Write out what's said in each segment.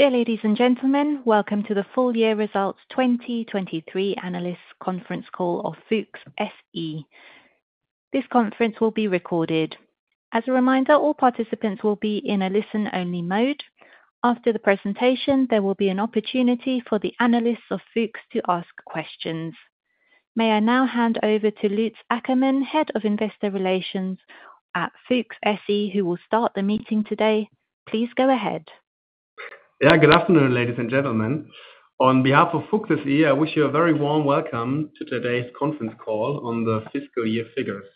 Dear ladies and gentlemen, welcome to the full year results 2023 analyst conference call of FUCHS SE. This conference will be recorded. As a reminder, all participants will be in a listen-only mode. After the presentation, there will be an opportunity for the analysts of FUCHS to ask questions. May I now hand over to Lutz Ackermann, Head of Investor Relations at FUCHS SE, who will start the meeting today. Please go ahead. Yeah, good afternoon, ladies and gentlemen. On behalf of FUCHS SE, I wish you a very warm welcome to today's conference call on the fiscal year figures.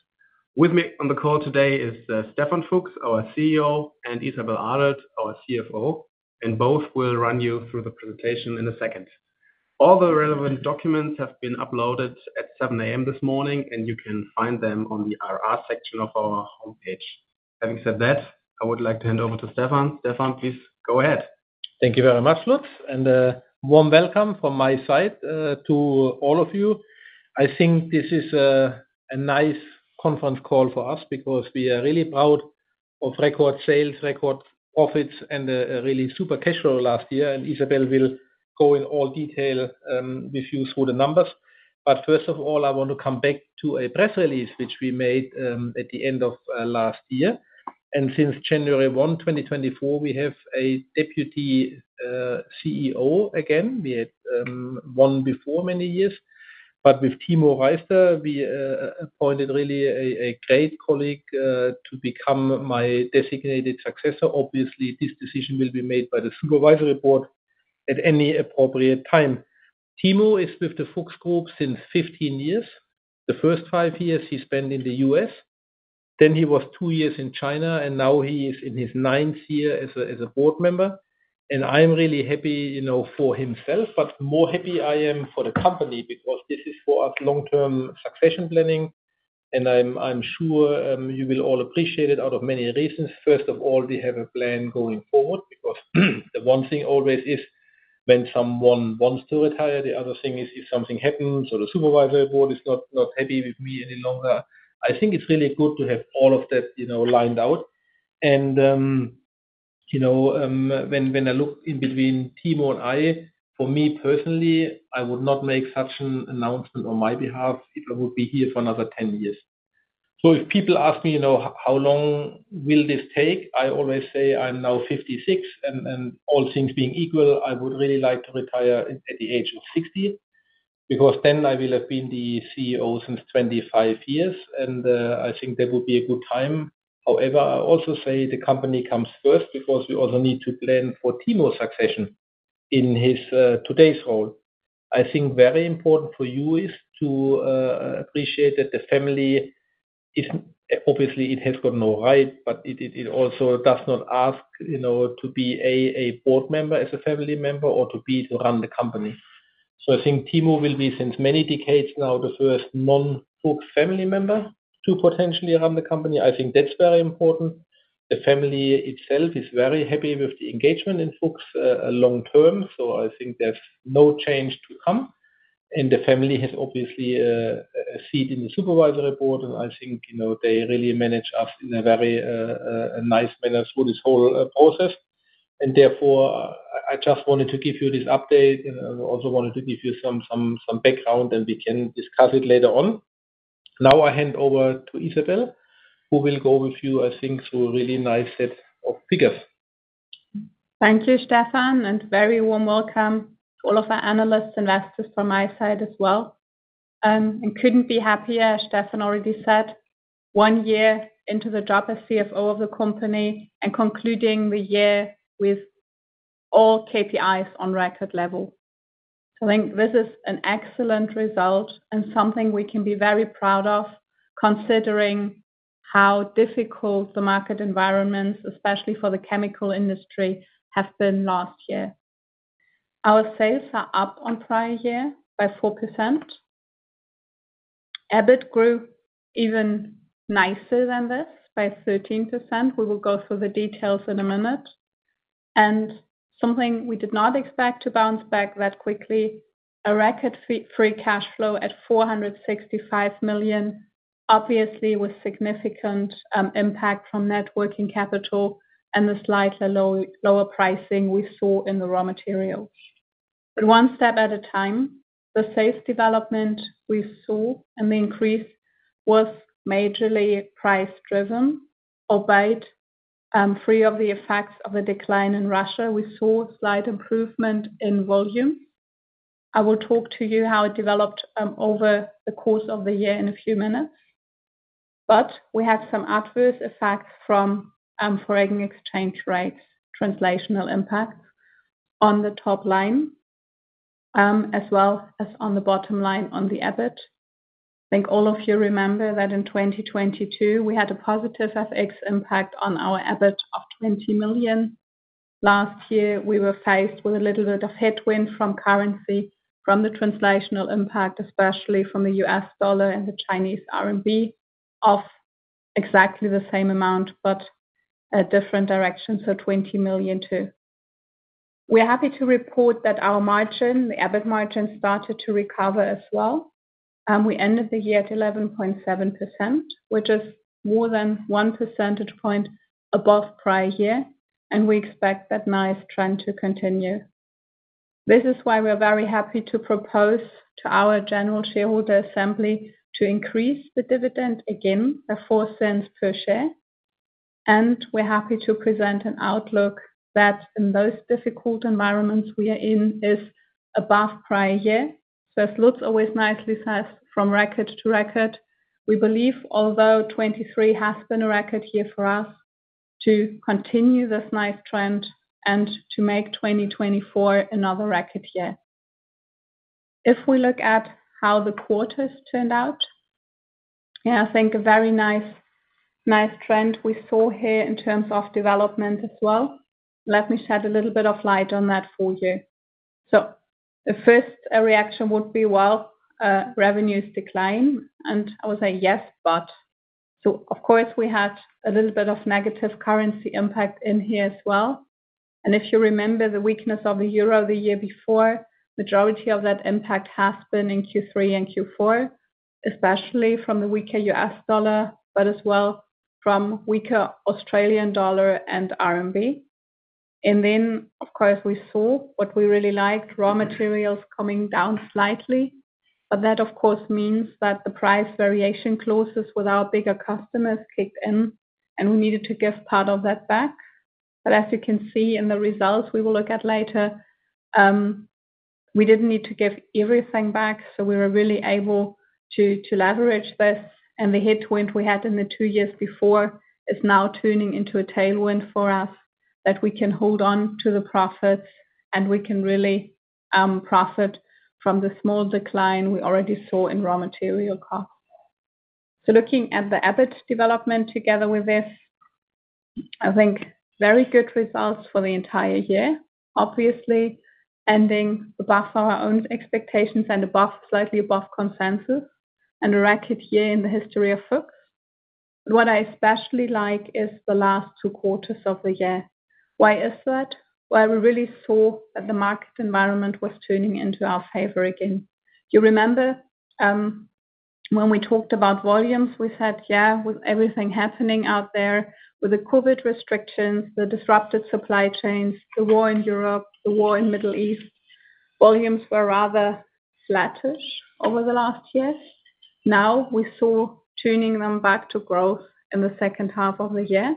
With me on the call today is Stefan Fuchs, our CEO, and Isabelle Adelt, our CFO, and both will run you through the presentation in a second. All the relevant documents have been uploaded at 7 A.M. this morning, and you can find them on the IR section of our homepage. Having said that, I would like to hand over to Stefan. Stefan, please go ahead. Thank you very much, Lutz, and a warm welcome from my side to all of you. I think this is a nice conference call for us because we are really proud of record sales, record profits, and a really super cash flow last year. And Isabelle will go in all detail with you through the numbers. But first of all, I want to come back to a press release, which we made at the end of last year. And since January 1, 2024, we have a Deputy CEO again. We had one before many years, but with Timo Reister, we appointed really a great colleague to become my designated successor. Obviously, this decision will be made by the Supervisory Board at any appropriate time. Timo is with the FUCHS Group since 15 years. The first five years he spent in the U.S., then he was two years in China, and now he is in his ninth year as a, as a board member. And I'm really happy, you know, for himself, but more happy I am for the company, because this is for us long-term succession planning, and I'm, I'm sure, you will all appreciate it out of many reasons. First of all, we have a plan going forward, because the one thing always is when someone wants to retire, the other thing is if something happens or the supervisory board is not, not happy with me any longer. I think it's really good to have all of that, you know, lined out. You know, when I look between Timo and I, for me personally, I would not make such an announcement on my behalf if I would be here for another 10 years. So if people ask me, you know, "How long will this take?" I always say, "I'm now 56, and all things being equal, I would really like to retire at the age of 60, because then I will have been the CEO since 25 years, and I think that would be a good time." However, I also say the company comes first, because we also need to plan for Timo's succession in his today's role. I think very important for you is to appreciate that the family isn't... Obviously, it has got no right, but it also does not ask, you know, to be a board member as a family member or to run the company. So I think Timo will be, since many decades now, the first non-Fuchs family member to potentially run the company. I think that's very important. The family itself is very happy with the engagement in Fuchs long term, so I think there's no change to come. And the family has obviously a seat in the supervisory board, and I think, you know, they really manage us in a very nice manner through this whole process. And therefore, I just wanted to give you this update and I also wanted to give you some background, and we can discuss it later on. Now, I hand over to Isabelle, who will go with you, I think, through a really nice set of figures. Thank you, Stefan, and very warm welcome to all of our analysts, investors from my side as well. I couldn't be happier, as Stefan already said, one year into the job as CFO of the company and concluding the year with all KPIs on record level. I think this is an excellent result and something we can be very proud of, considering how difficult the market environments, especially for the chemical industry, have been last year. Our sales are up on prior year by 4%. EBIT grew even nicer than this, by 13%. We will go through the details in a minute. Something we did not expect to bounce back that quickly, a record free cash flow at 465 million, obviously with significant impact from net working capital and the slightly lower pricing we saw in the raw materials. But one step at a time, the sales development we saw and the increase was majorly price driven, albeit free of the effects of a decline in Russia. We saw slight improvement in volume. I will talk to you how it developed over the course of the year in a few minutes. But we had some adverse effects from foreign exchange rates, translational impact on the top line, as well as on the bottom line on the EBIT. I think all of you remember that in 2022, we had a positive FX impact on our EBIT of 20 million. Last year, we were faced with a little bit of headwind from currency, from the translational impact, especially from the US dollar and the Chinese RMB, of exactly the same amount, but a different direction, so 20 million to. We are happy to report that our margin, the EBIT margin, started to recover as well. We ended the year at 11.7%, which is more than one percentage point above prior year, and we expect that nice trend to continue. This is why we are very happy to propose to our general shareholder assembly, to increase the dividend again by 0.04 per share. We're happy to present an outlook that in the most difficult environment we are in, is above prior year. As Lutz always nicely says, "From record to record." We believe, although 2023 has been a record year for us, to continue this nice trend and to make 2024 another record year. If we look at how the quarters turned out, yeah, I think a very nice, nice trend we saw here in terms of development as well. Let me shed a little bit of light on that for you. So the first reaction would be, well, revenues decline, and I would say yes, but. So of course, we had a little bit of negative currency impact in here as well. And if you remember the weakness of the euro the year before, majority of that impact has been in Q3 and Q4, especially from the weaker US dollar, but as well from weaker Australian dollar and RMB. And then, of course, we saw what we really liked, raw materials coming down slightly. But that, of course, means that the price variation clauses with our bigger customers kicked in, and we needed to give part of that back. As you can see in the results we will look at later, we didn't need to give everything back, so we were really able to, to leverage this. The headwind we had in the two years before is now turning into a tailwind for us, that we can hold on to the profits and we can really profit from the small decline we already saw in raw material costs. Looking at the EBIT development together with this, I think very good results for the entire year. Obviously, ending above our own expectations and above, slightly above consensus, and a record year in the history of FUCHS. What I especially like is the last two quarters of the year. Why is that? Well, we really saw that the market environment was turning into our favor again. You remember, when we talked about volumes, we said, yeah, with everything happening out there, with the COVID restrictions, the disrupted supply chains, the war in Europe, the war in Middle East, volumes were rather flattish over the last years. Now, we saw turning them back to growth in the second half of the year.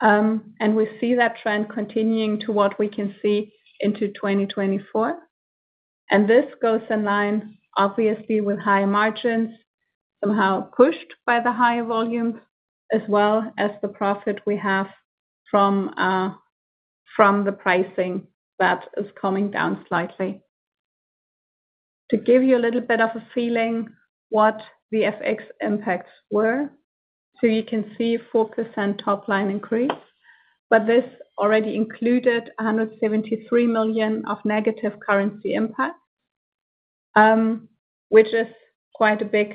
And we see that trend continuing to what we can see into 2024. And this goes in line, obviously, with higher margins, somehow pushed by the higher volumes, as well as the profit we have from, from the pricing that is coming down slightly. To give you a little bit of a feeling what the FX impacts were. You can see 4% top line increase, but this already included 173 million of negative currency impact, which is quite a big,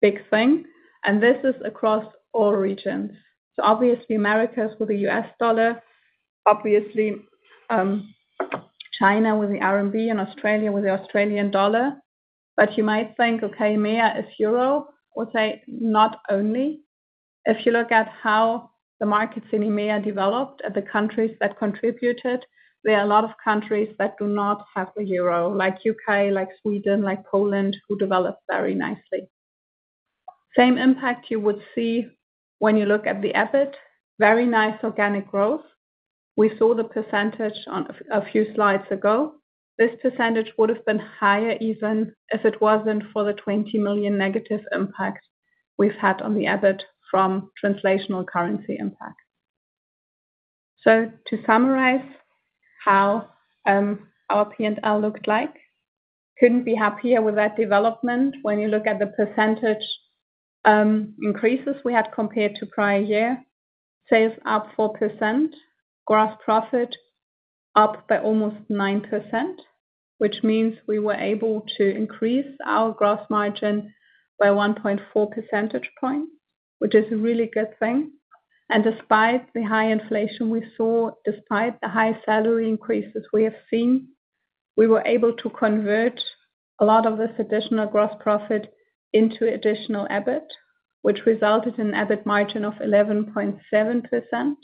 big thing, and this is across all regions. Obviously, Americas with the U.S. dollar, obviously, China with the RMB and Australia with the Australian dollar. But you might think, okay, EMEA is Euro. I would say not only. If you look at how the markets in EMEA developed, at the countries that contributed, there are a lot of countries that do not have the euro, like U.K., like Sweden, like Poland, who developed very nicely. Same impact you would see when you look at the EBIT. Very nice organic growth. We saw the percentage on a few slides ago. This percentage would have been higher, even if it wasn't for the 20 million negative impact we've had on the EBIT from translational currency impact. So to summarize how, our P&L looked like, couldn't be happier with that development. When you look at the percentage increases we had compared to prior year, sales up 4%, gross profit up by almost 9%, which means we were able to increase our gross margin by 1.4 percentage point, which is a really good thing. And despite the high inflation we saw, despite the high salary increases we have seen, we were able to convert a lot of this additional gross profit into additional EBIT, which resulted in EBIT margin of 11.7%.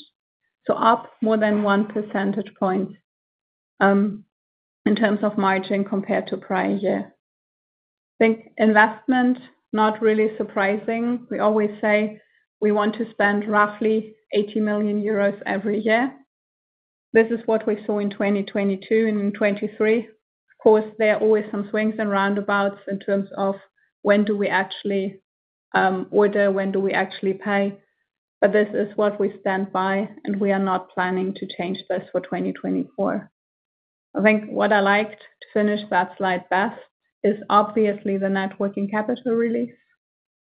So up more than one percentage point, in terms of margin compared to prior year. I think investment, not really surprising. We always say we want to spend roughly 80 million euros every year. This is what we saw in 2022 and in 2023. Of course, there are always some swings and roundabouts in terms of when do we actually order, when do we actually pay? But this is what we stand by, and we are not planning to change this for 2024. I think what I liked, to finish that slide best, is obviously the net working capital, really.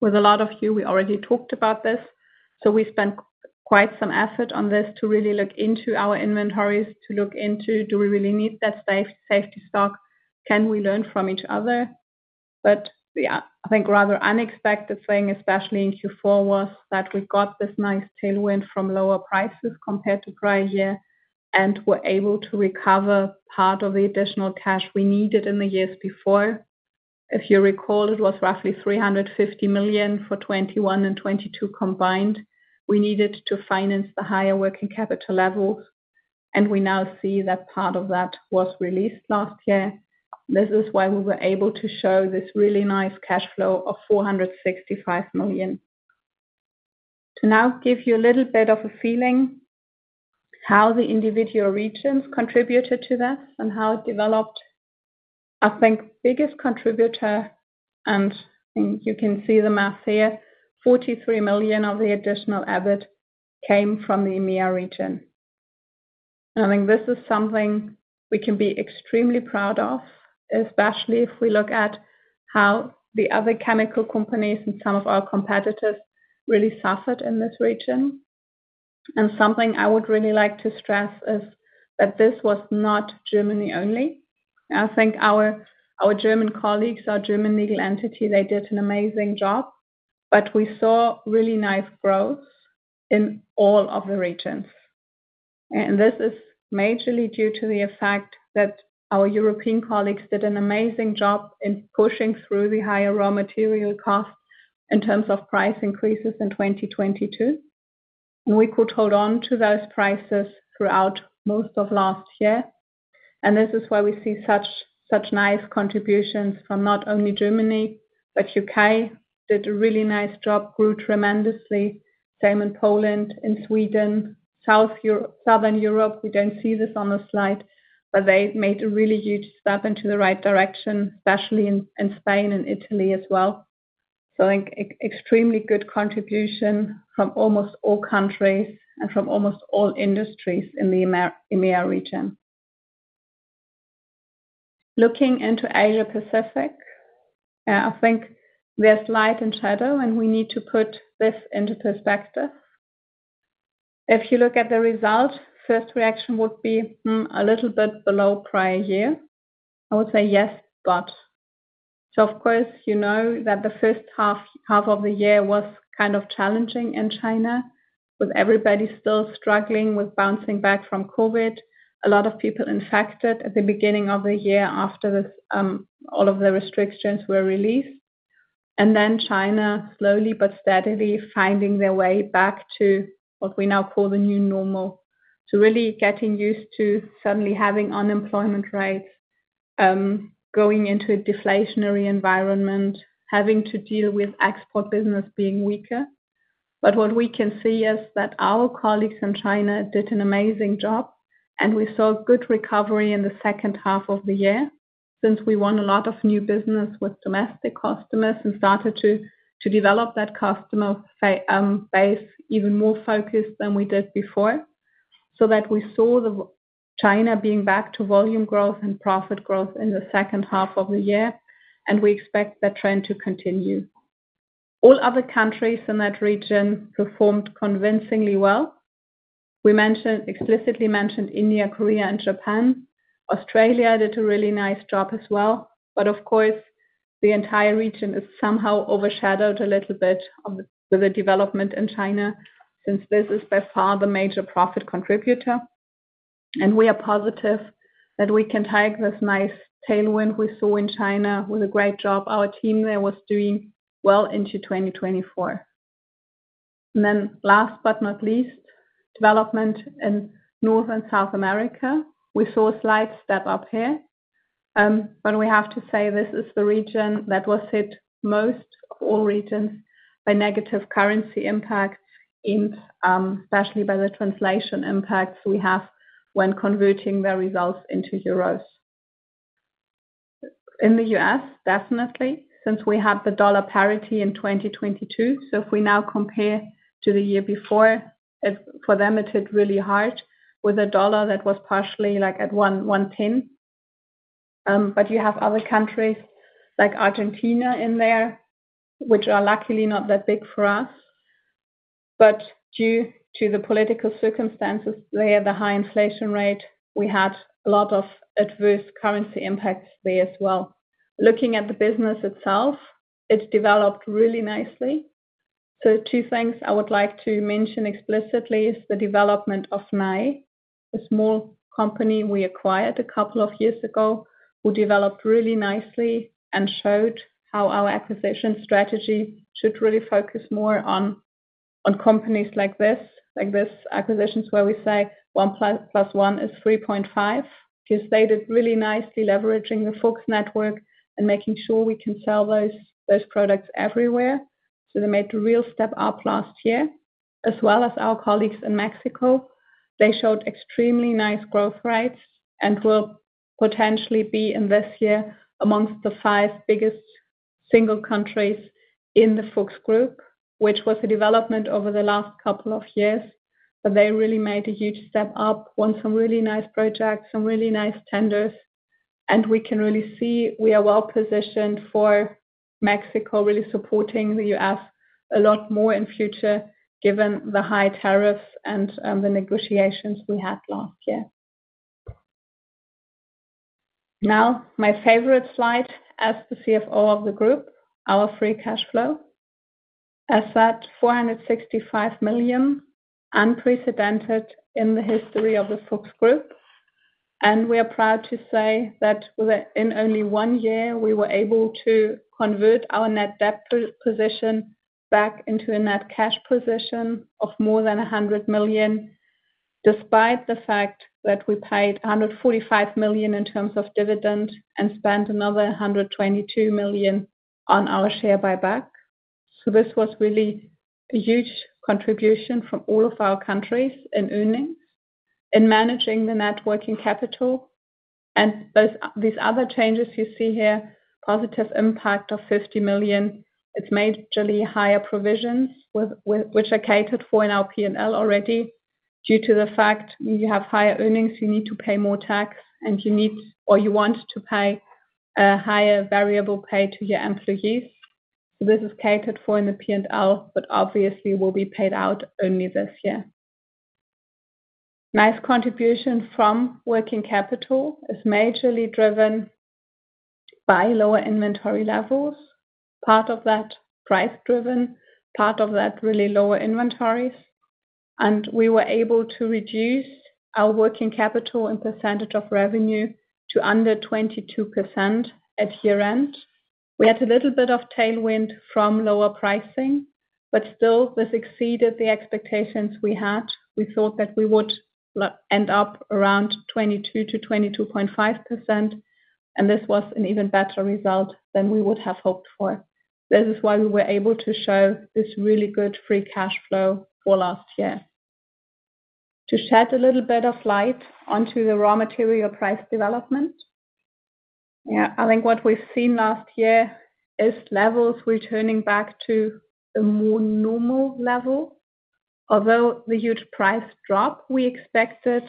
With a lot of you, we already talked about this, so we spent quite some effort on this to really look into our inventories, to look into do we really need that safety stock? Can we learn from each other?... But yeah, I think rather unexpected thing, especially in Q4, was that we got this nice tailwind from lower prices compared to prior year, and were able to recover part of the additional cash we needed in the years before. If you recall, it was roughly 350 million for 2021 and 2022 combined. We needed to finance the higher working capital levels, and we now see that part of that was released last year. This is why we were able to show this really nice cash flow of 465 million. To now give you a little bit of a feeling how the individual regions contributed to this and how it developed. I think biggest contributor, and, and you can see the math here, 43 million of the additional EBIT came from the EMEA region. I think this is something we can be extremely proud of, especially if we look at how the other chemical companies and some of our competitors really suffered in this region. And something I would really like to stress is that this was not Germany only. I think our, our German colleagues, our German legal entity, they did an amazing job, but we saw really nice growth in all of the regions. And this is majorly due to the effect that our European colleagues did an amazing job in pushing through the higher raw material costs in terms of price increases in 2022. And we could hold on to those prices throughout most of last year, and this is why we see such, such nice contributions from not only Germany, but U.K. did a really nice job, grew tremendously. Same in Poland and Sweden. Southern Europe, we don't see this on the slide, but they made a really huge step into the right direction, especially in Spain and Italy as well. So I think extremely good contribution from almost all countries and from almost all industries in the EMEA region. Looking into Asia Pacific, I think there's light and shadow, and we need to put this into perspective. If you look at the result, first reaction would be a little bit below prior year. I would say yes, but... So of course, you know that the first half, half of the year was kind of challenging in China, with everybody still struggling with bouncing back from COVID. A lot of people infected at the beginning of the year after this, all of the restrictions were released. And then China, slowly but steadily, finding their way back to what we now call the new normal. So really getting used to suddenly having unemployment rates going into a deflationary environment, having to deal with export business being weaker. But what we can see is that our colleagues in China did an amazing job, and we saw good recovery in the second half of the year since we won a lot of new business with domestic customers and started to develop that customer base even more focused than we did before. So that we saw China being back to volume growth and profit growth in the second half of the year, and we expect that trend to continue. All other countries in that region performed convincingly well. We explicitly mentioned India, Korea and Japan. Australia did a really nice job as well. But of course, the entire region is somehow overshadowed a little bit on the development in China, since this is by far the major profit contributor. And we are positive that we can take this nice tailwind we saw in China with a great job our team there was doing well into 2024. And then last but not least, development in North and South America. We saw a slight step up here, but we have to say this is the region that was hit most of all regions by negative currency impact in, especially by the translation impacts we have when converting the results into euros. In the U.S., definitely, since we had the dollar parity in 2022. So if we now compare to the year before, it for them, it hit really hard with a dollar that was partially like at 1.10. But you have other countries like Argentina in there, which are luckily not that big for us. But due to the political circumstances there, the high inflation rate, we had a lot of adverse currency impacts there as well. Looking at the business itself, it's developed really nicely. So two things I would like to mention explicitly is the development of Nye, a small company we acquired a couple of years ago, who developed really nicely and showed how our acquisition strategy should really focus more on, on companies like this. Like, this acquisitions where we say 1 plus, plus 1 is 3.5. Because they did really nicely leveraging the FUCHS network and making sure we can sell those, those products everywhere. So they made a real step up last year, as well as our colleagues in Mexico. They showed extremely nice growth rates and will potentially be in this year among the five biggest single countries in the FUCHS Group, which was a development over the last couple of years. But they really made a huge step up, won some really nice projects, some really nice tenders, and we can really see we are well positioned for Mexico, really supporting the US a lot more in future, given the high tariffs and, the negotiations we had last year. Now, my favorite slide as the CFO of the group, our free cash flow. As at 465 million, unprecedented in the history of the Fuchs Group, and we are proud to say that in only one year, we were able to convert our net debt position back into a net cash position of more than 100 million, despite the fact that we paid 145 million in terms of dividend and spent another 122 million on our share buyback. So this was really a huge contribution from all of our countries in earnings, in managing the net working capital. And those, these other changes you see here, positive impact of 50 million, it's majorly higher provisions with which are catered for in our P&L already. Due to the fact you have higher earnings, you need to pay more tax, and you need or you want to pay a higher variable pay to your employees. This is catered for in the P&L, but obviously will be paid out only this year. Nice contribution from working capital is majorly driven by lower inventory levels. Part of that, price driven, part of that, really lower inventories. We were able to reduce our working capital as percentage of revenue to under 22% at year-end. We had a little bit of tailwind from lower pricing, but still, this exceeded the expectations we had. We thought that we would end up around 22%-22.5%, and this was an even better result than we would have hoped for. This is why we were able to show this really good free cash flow for last year. To shed a little bit of light onto the raw material price development, yeah, I think what we've seen last year is levels returning back to a more normal level. Although the huge price drop we expected,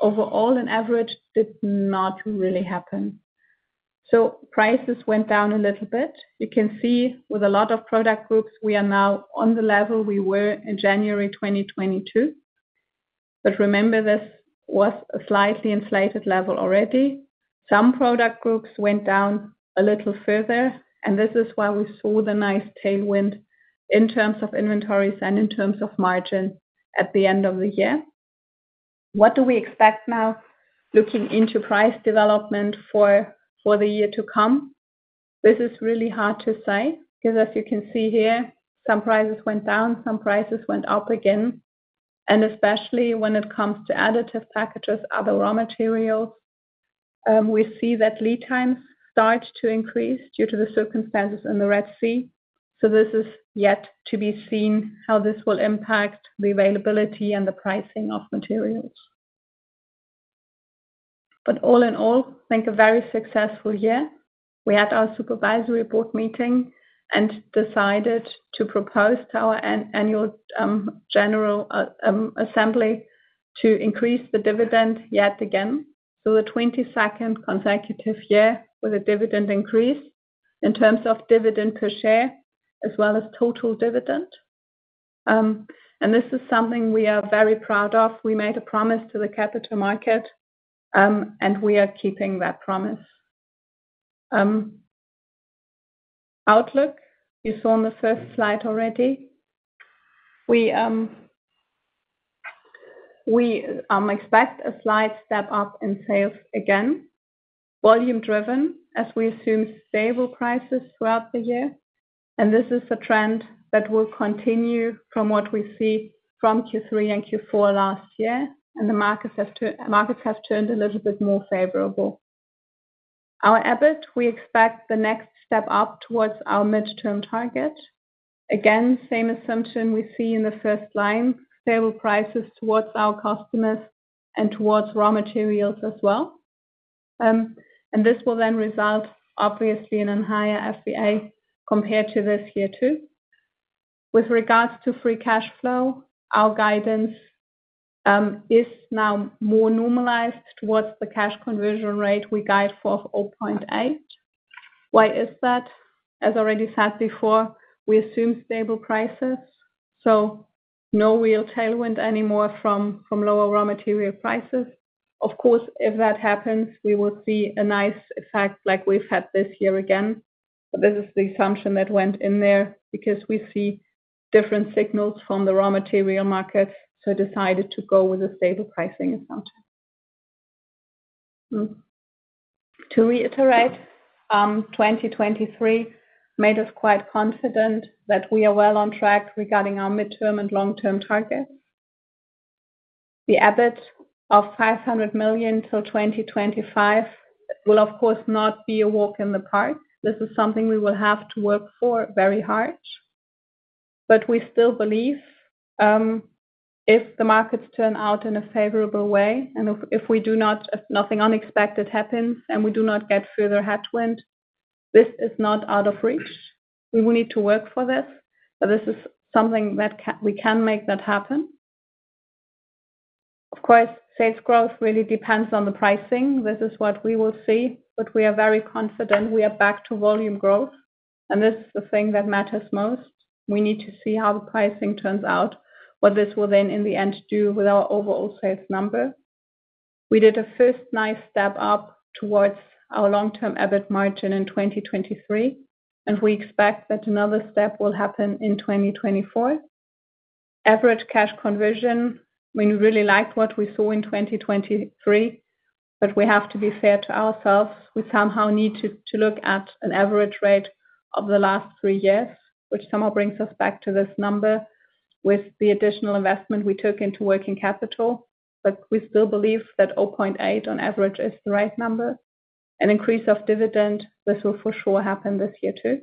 overall and average, did not really happen. So prices went down a little bit. You can see with a lot of product groups, we are now on the level we were in January 2022. But remember, this was a slightly inflated level already. Some product groups went down a little further, and this is why we saw the nice tailwind in terms of inventories and in terms of margin at the end of the year. What do we expect now, looking into price development for the year to come? This is really hard to say, because as you can see here, some prices went down, some prices went up again. And especially when it comes to additive packages, other raw materials, we see that lead times start to increase due to the circumstances in the Red Sea. So this is yet to be seen, how this will impact the availability and the pricing of materials. But all in all, I think a very successful year. We had our supervisory board meeting and decided to propose to our annual general assembly, to increase the dividend yet again. So a 22nd consecutive year with a dividend increase in terms of dividend per share, as well as total dividend. And this is something we are very proud of. We made a promise to the capital market, and we are keeping that promise. Outlook, you saw on the first slide already. We expect a slight step up in sales again, volume driven, as we assume stable prices throughout the year. This is a trend that will continue from what we see from Q3 and Q4 last year, and the markets have turned a little bit more favorable. Our EBIT, we expect the next step up towards our midterm target. Again, same assumption we see in the first line, stable prices towards our customers and towards raw materials as well. This will then result, obviously, in a higher FVA compared to this year, too. With regards to free cash flow, our guidance is now more normalized towards the cash conversion rate we guide for of 0.8. Why is that? As already said before, we assume stable prices, so no real tailwind anymore from lower raw material prices. Of course, if that happens, we would see a nice effect like we've had this year again. But this is the assumption that went in there because we see different signals from the raw material market, so decided to go with a stable pricing assumption. To reiterate, 2023 made us quite confident that we are well on track regarding our midterm and long-term targets. The EBIT of 500 million till 2025 will, of course, not be a walk in the park. This is something we will have to work for very hard. But we still believe, if the markets turn out in a favorable way, and if, if we do not... If nothing unexpected happens, and we do not get further headwind, this is not out of reach. We will need to work for this, but this is something that we can make that happen. Of course, sales growth really depends on the pricing. This is what we will see, but we are very confident we are back to volume growth... and this is the thing that matters most. We need to see how the pricing turns out, what this will then, in the end, do with our overall sales number. We did a first nice step up towards our long-term EBIT margin in 2023, and we expect that another step will happen in 2024. Average cash conversion, we really liked what we saw in 2023, but we have to be fair to ourselves. We somehow need to look at an average rate of the last three years, which somehow brings us back to this number, with the additional investment we took into working capital. But we still believe that 0.8 on average is the right number. An increase of dividend. This will for sure happen this year, too.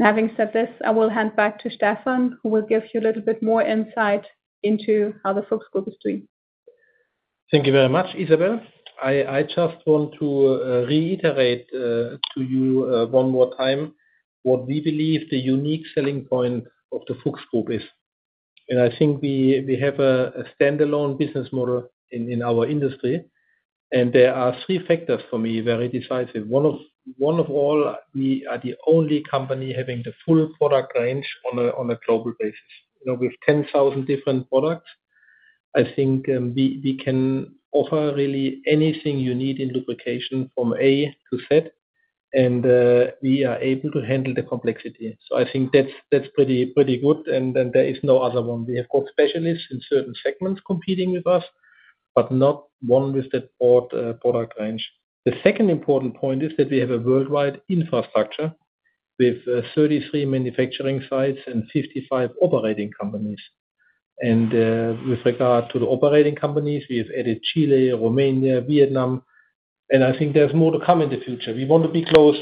Having said this, I will hand back to Stefan, who will give you a little bit more insight into how the Fuchs Group is doing. Thank you very much, Isabelle. I just want to reiterate to you one more time what we believe the unique selling point of the Fuchs Group is. I think we have a standalone business model in our industry, and there are three factors for me very decisive. One of all, we are the only company having the full product range on a global basis. You know, with 10,000 different products, I think we can offer really anything you need in lubrication from A to Z, and we are able to handle the complexity. So I think that's pretty good, and there is no other one. We have got specialists in certain segments competing with us, but not one with that broad product range. The second important point is that we have a worldwide infrastructure with 33 manufacturing sites and 55 operating companies. With regard to the operating companies, we have added Chile, Romania, Vietnam, and I think there's more to come in the future. We want to be close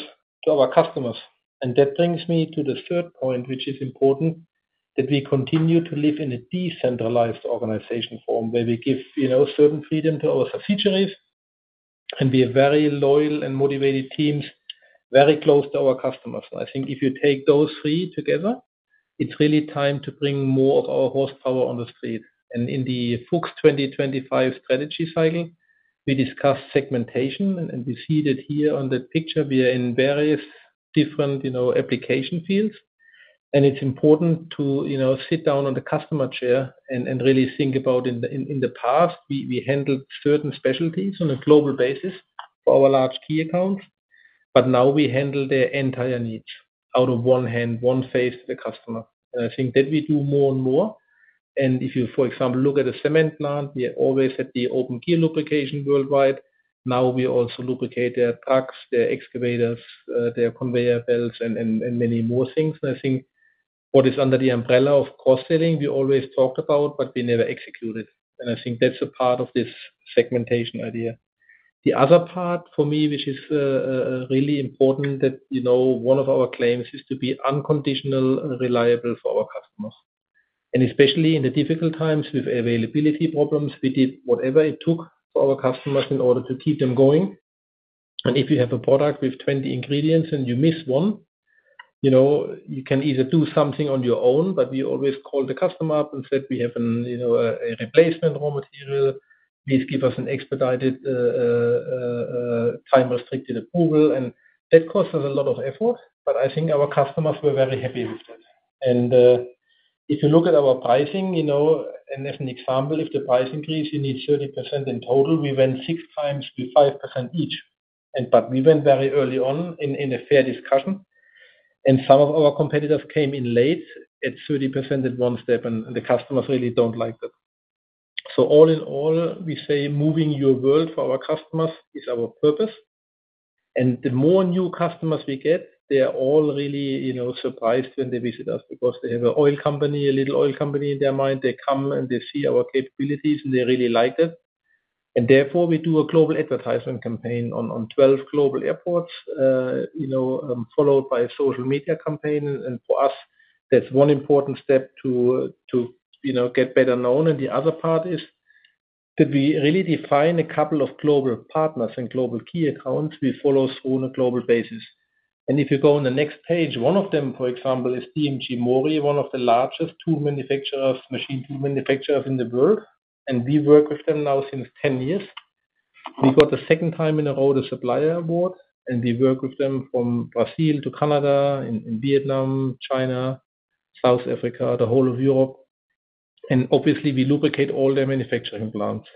to our customers. That brings me to the third point, which is important, that we continue to live in a decentralized organizational form, where we give, you know, certain freedom to our franchisees, and we have very loyal and motivated teams, very close to our customers. I think if you take those three together, it's really time to bring more of our horsepower on the street. In the FUCHS 2025 strategy cycling, we discussed segmentation, and we see that here on the picture, we are in various different, you know, application fields. It's important to, you know, sit down on the customer chair and really think about in the past, we handled certain specialties on a global basis for our large key accounts, but now we handle their entire needs out of one hand, one face to the customer. I think that we do more and more. If you, for example, look at a cement plant, we always had the open gear lubrication worldwide. Now, we also lubricate their trucks, their excavators, their conveyor belts and many more things. I think what is under the umbrella of cross-selling, we always talked about, but we never executed, and I think that's a part of this segmentation idea. The other part for me, which is, really important, that, you know, one of our claims is to be unconditionally reliable for our customers. And especially in the difficult times with availability problems, we did whatever it took for our customers in order to keep them going. And if you have a product with 20 ingredients and you miss one, you know, you can either do something on your own, but we always call the customer up and said, "We have an, you know, a, a replacement raw material. Please give us an expedited, time-restricted approval." And that costs us a lot of effort, but I think our customers were very happy with it. If you look at our pricing, you know, and as an example, if the price increase, you need 30% in total, we went six times to 5% each. But we went very early on in a fair discussion, and some of our competitors came in late at 30% in one step, and the customers really don't like that. So all in all, we say: moving your world for our customers is our purpose. And the more new customers we get, they are all really, you know, surprised when they visit us because they have an oil company, a little oil company in their mind. They come, and they see our capabilities, and they really like it. And therefore, we do a global advertising campaign on 12 global airports, you know, followed by a social media campaign. For us, that's one important step to you know get better known. The other part is that we really define a couple of global partners and global key accounts we follow on a global basis. If you go on the next page, one of them, for example, is DMG MORI, one of the largest tool manufacturers, machine tool manufacturers in the world, and we work with them now since 10 years. We got the second time in a row, the supplier award, and we work with them from Brazil to Canada, in Vietnam, China, South Africa, the whole of Europe. Obviously, we lubricate all their manufacturing plants.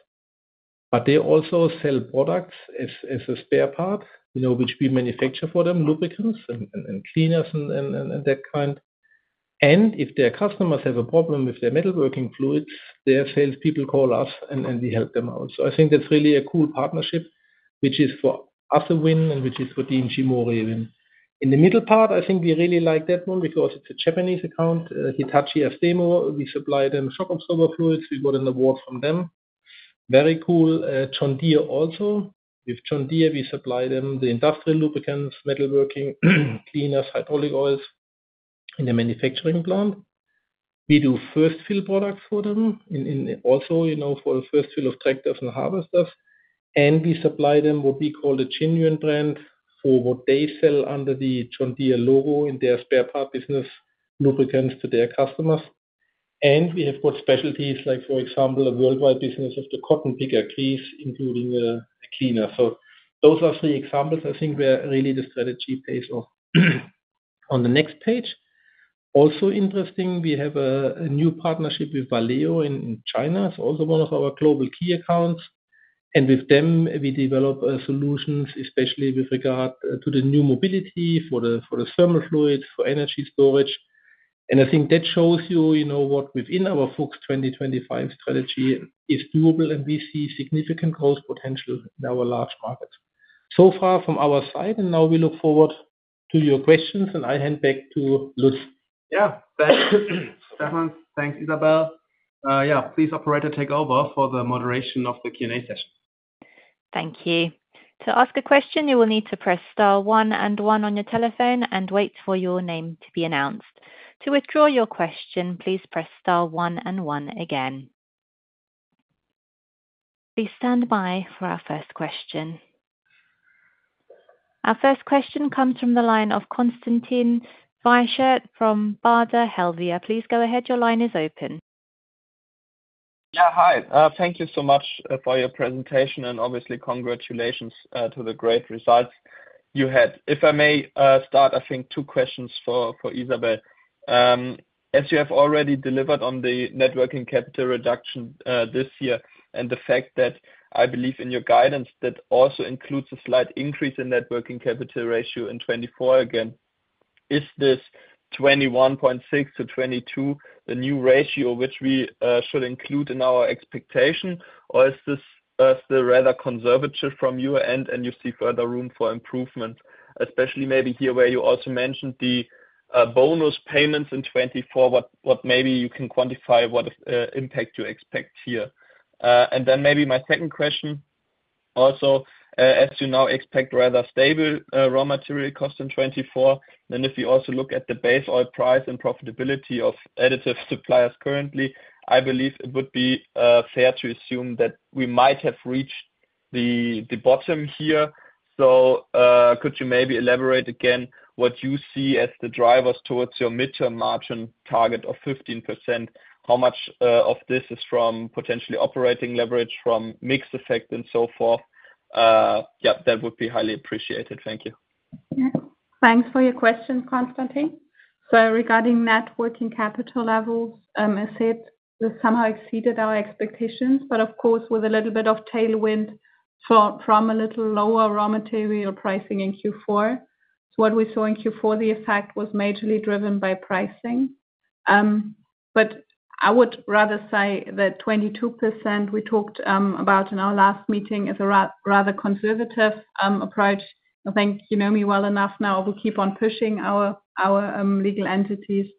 But they also sell products as a spare part, you know, which we manufacture for them, lubricants and cleaners and that kind. If their customers have a problem with their metalworking fluids, their salespeople call us, and we help them out. I think that's really a cool partnership, which is for us to win and which is for DMG MORI to win. In the middle part, I think we really like that one because it's a Japanese account, Hitachi Astemo. We supply them shock absorber fluids. We got an award from them. Very cool, John Deere also. With John Deere, we supply them the industrial lubricants, metalworking, cleaners, hydraulic oils in the manufacturing plant. We do first-fill products for them, also, you know, for the first fill of tractors and harvesters, and we supply them what we call a genuine brand for what they sell under the John Deere logo in their spare part business, lubricants to their customers... And we have got specialties, like, for example, a worldwide business of the cotton picker grease, including a cleaner. So those are three examples, I think, where really the strategy pays off. On the next page, also interesting, we have a new partnership with Valeo in China. It's also one of our global key accounts, and with them we develop solutions, especially with regard to the new mobility for the thermal fluids, for energy storage. And I think that shows you, you know, what within our FUCHS 2025 strategy is doable, and we see significant growth potential in our large markets. So far from our side, and now we look forward to your questions, and I hand back to Lutz. Yeah. Thanks, Stefan. Thanks, Isabelle. Yeah, please, operator, take over for the moderation of the Q&A session. Thank you. To ask a question, you will need to press star one and one on your telephone and wait for your name to be announced. To withdraw your question, please press star one and one again. Please stand by for our first question. Our first question comes from the line of Konstantin Wiechert from Baader Helvea. Please go ahead. Your line is open. Yeah, hi. Thank you so much for your presentation, and obviously congratulations to the great results you had. If I may start, I think two questions for Isabelle. As you have already delivered on the Net Working Capital reduction this year, and the fact that I believe in your guidance, that also includes a slight increase in Net Working Capital ratio in 2024 again, is this 21.6-22, the new ratio which we should include in our expectation? Or is this still rather conservative from your end, and you see further room for improvement? Especially maybe here, where you also mentioned the bonus payments in 2024, what maybe you can quantify what impact you expect here. And then maybe my second question, also, as you now expect rather stable raw material cost in 2024, then if you also look at the base oil price and profitability of additive suppliers currently, I believe it would be fair to assume that we might have reached the bottom here. So, could you maybe elaborate again what you see as the drivers towards your midterm margin target of 15%? How much of this is from potentially operating leverage, from mixed effect, and so forth? Yeah, that would be highly appreciated. Thank you. Yeah. Thanks for your question, Konstantin. So regarding net working capital levels, as said, this somehow exceeded our expectations, but of course, with a little bit of tailwind from a little lower raw material pricing in Q4. So what we saw in Q4, the effect was majorly driven by pricing. But I would rather say that 22% we talked about in our last meeting is a rather conservative approach. I think you know me well enough now, we keep on pushing our legal entities,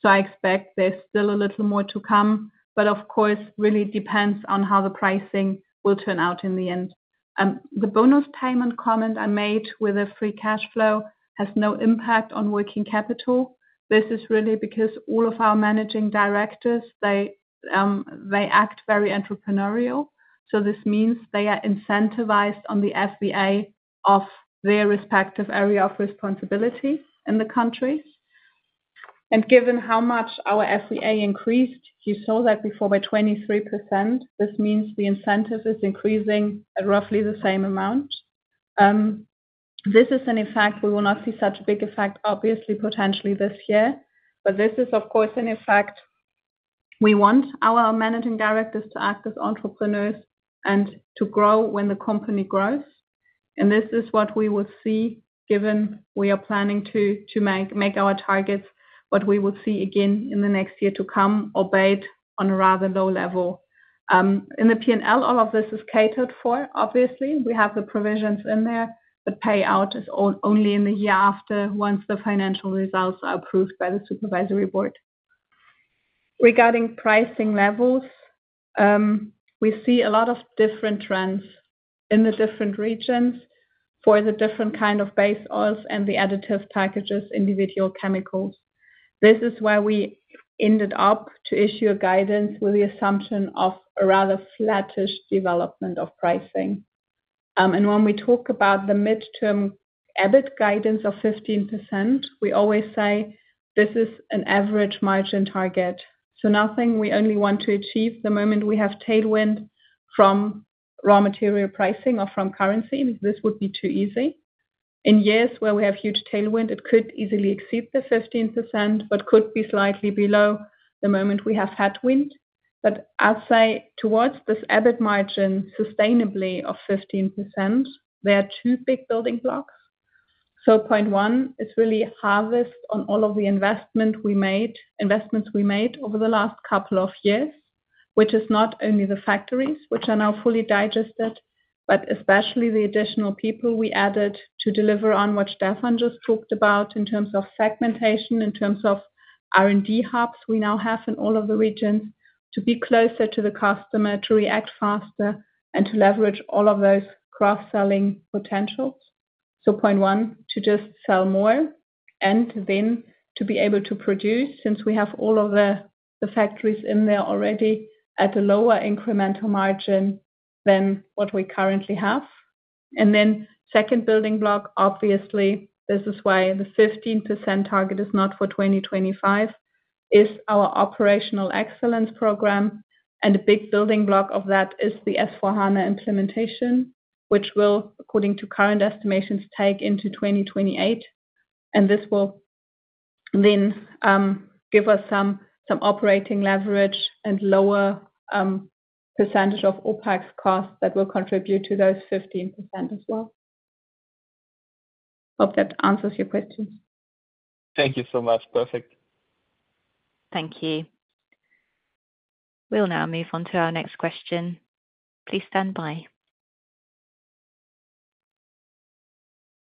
so I expect there's still a little more to come, but of course, really depends on how the pricing will turn out in the end. The bonus payment comment I made with the free cash flow has no impact on working capital. This is really because all of our managing directors, they act very entrepreneurial. So this means they are incentivized on the FVA of their respective area of responsibility in the countries. And given how much our FVA increased, you saw that before by 23%, this means the incentive is increasing at roughly the same amount. This is an effect we will not see such a big effect, obviously, potentially this year. But this is, of course, an effect. We want our managing directors to act as entrepreneurs and to grow when the company grows. And this is what we will see, given we are planning to make our targets, what we will see again in the next year to come, albeit on a rather low level. In the P&L, all of this is catered for. Obviously, we have the provisions in there. The payout is only in the year after, once the financial results are approved by the supervisory board. Regarding pricing levels, we see a lot of different trends in the different regions for the different kind of base oils and the additive packages, individual chemicals. This is why we ended up to issue a guidance with the assumption of a rather flattish development of pricing. And when we talk about the midterm EBIT guidance of 15%, we always say this is an average margin target. So nothing we only want to achieve the moment we have tailwind from raw material pricing or from currency. This would be too easy. In years where we have huge tailwind, it could easily exceed the 15%, but could be slightly below the moment we have headwind. But I'll say towards this EBIT margin, sustainably of 15%, there are two big building blocks. So point one is really harvest on all of the investment we made, investments we made over the last couple of years, which is not only the factories, which are now fully digested, but especially the additional people we added to deliver on what Stefan just talked about in terms of segmentation, in terms of R&D hubs we now have in all of the regions, to be closer to the customer, to react faster, and to leverage all of those cross-selling potentials. So point one, to just sell more, and then to be able to produce, since we have all of the, the factories in there already at a lower incremental margin than what we currently have.... Then the second building block, obviously, this is why the 15% target is not for 2025, is our operational excellence program, and a big building block of that is the S/4HANA implementation, which will, according to current estimations, take into 2028. This will then give us some operating leverage and lower percentage of OpEx costs that will contribute to those 15% as well. Hope that answers your question. Thank you so much. Perfect. Thank you. We'll now move on to our next question. Please stand by.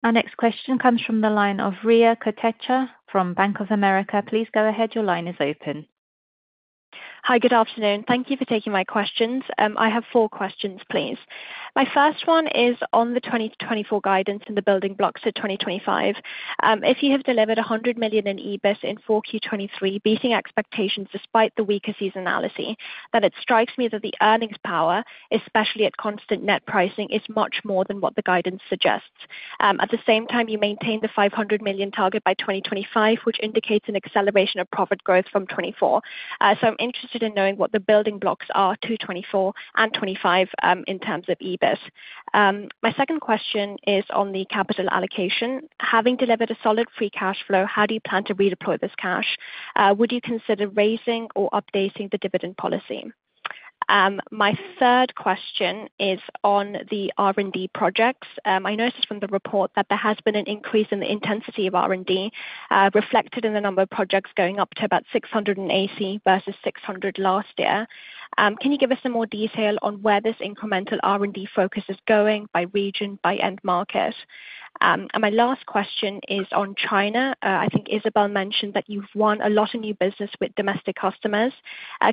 Our next question comes from the line of Riya Kotecha from Bank of America. Please go ahead. Your line is open. Hi, good afternoon. Thank you for taking my questions. I have four questions, please. My first one is on the 2024 guidance and the building blocks for 2025. If you have delivered 100 million in EBIT in Q4 2023, beating expectations despite the weaker seasonality, then it strikes me that the earnings power, especially at constant net pricing, is much more than what the guidance suggests. At the same time, you maintain the 500 million target by 2025, which indicates an acceleration of profit growth from 2024. So I'm interested in knowing what the building blocks are to 2024 and 2025, in terms of EBIT. My second question is on the capital allocation. Having delivered a solid free cash flow, how do you plan to redeploy this cash? Would you consider raising or updating the dividend policy? My third question is on the R&D projects. I noticed from the report that there has been an increase in the intensity of R&D, reflected in the number of projects going up to about 680 versus 600 last year. Can you give us some more detail on where this incremental R&D focus is going by region, by end market? And my last question is on China. I think Isabelle mentioned that you've won a lot of new business with domestic customers.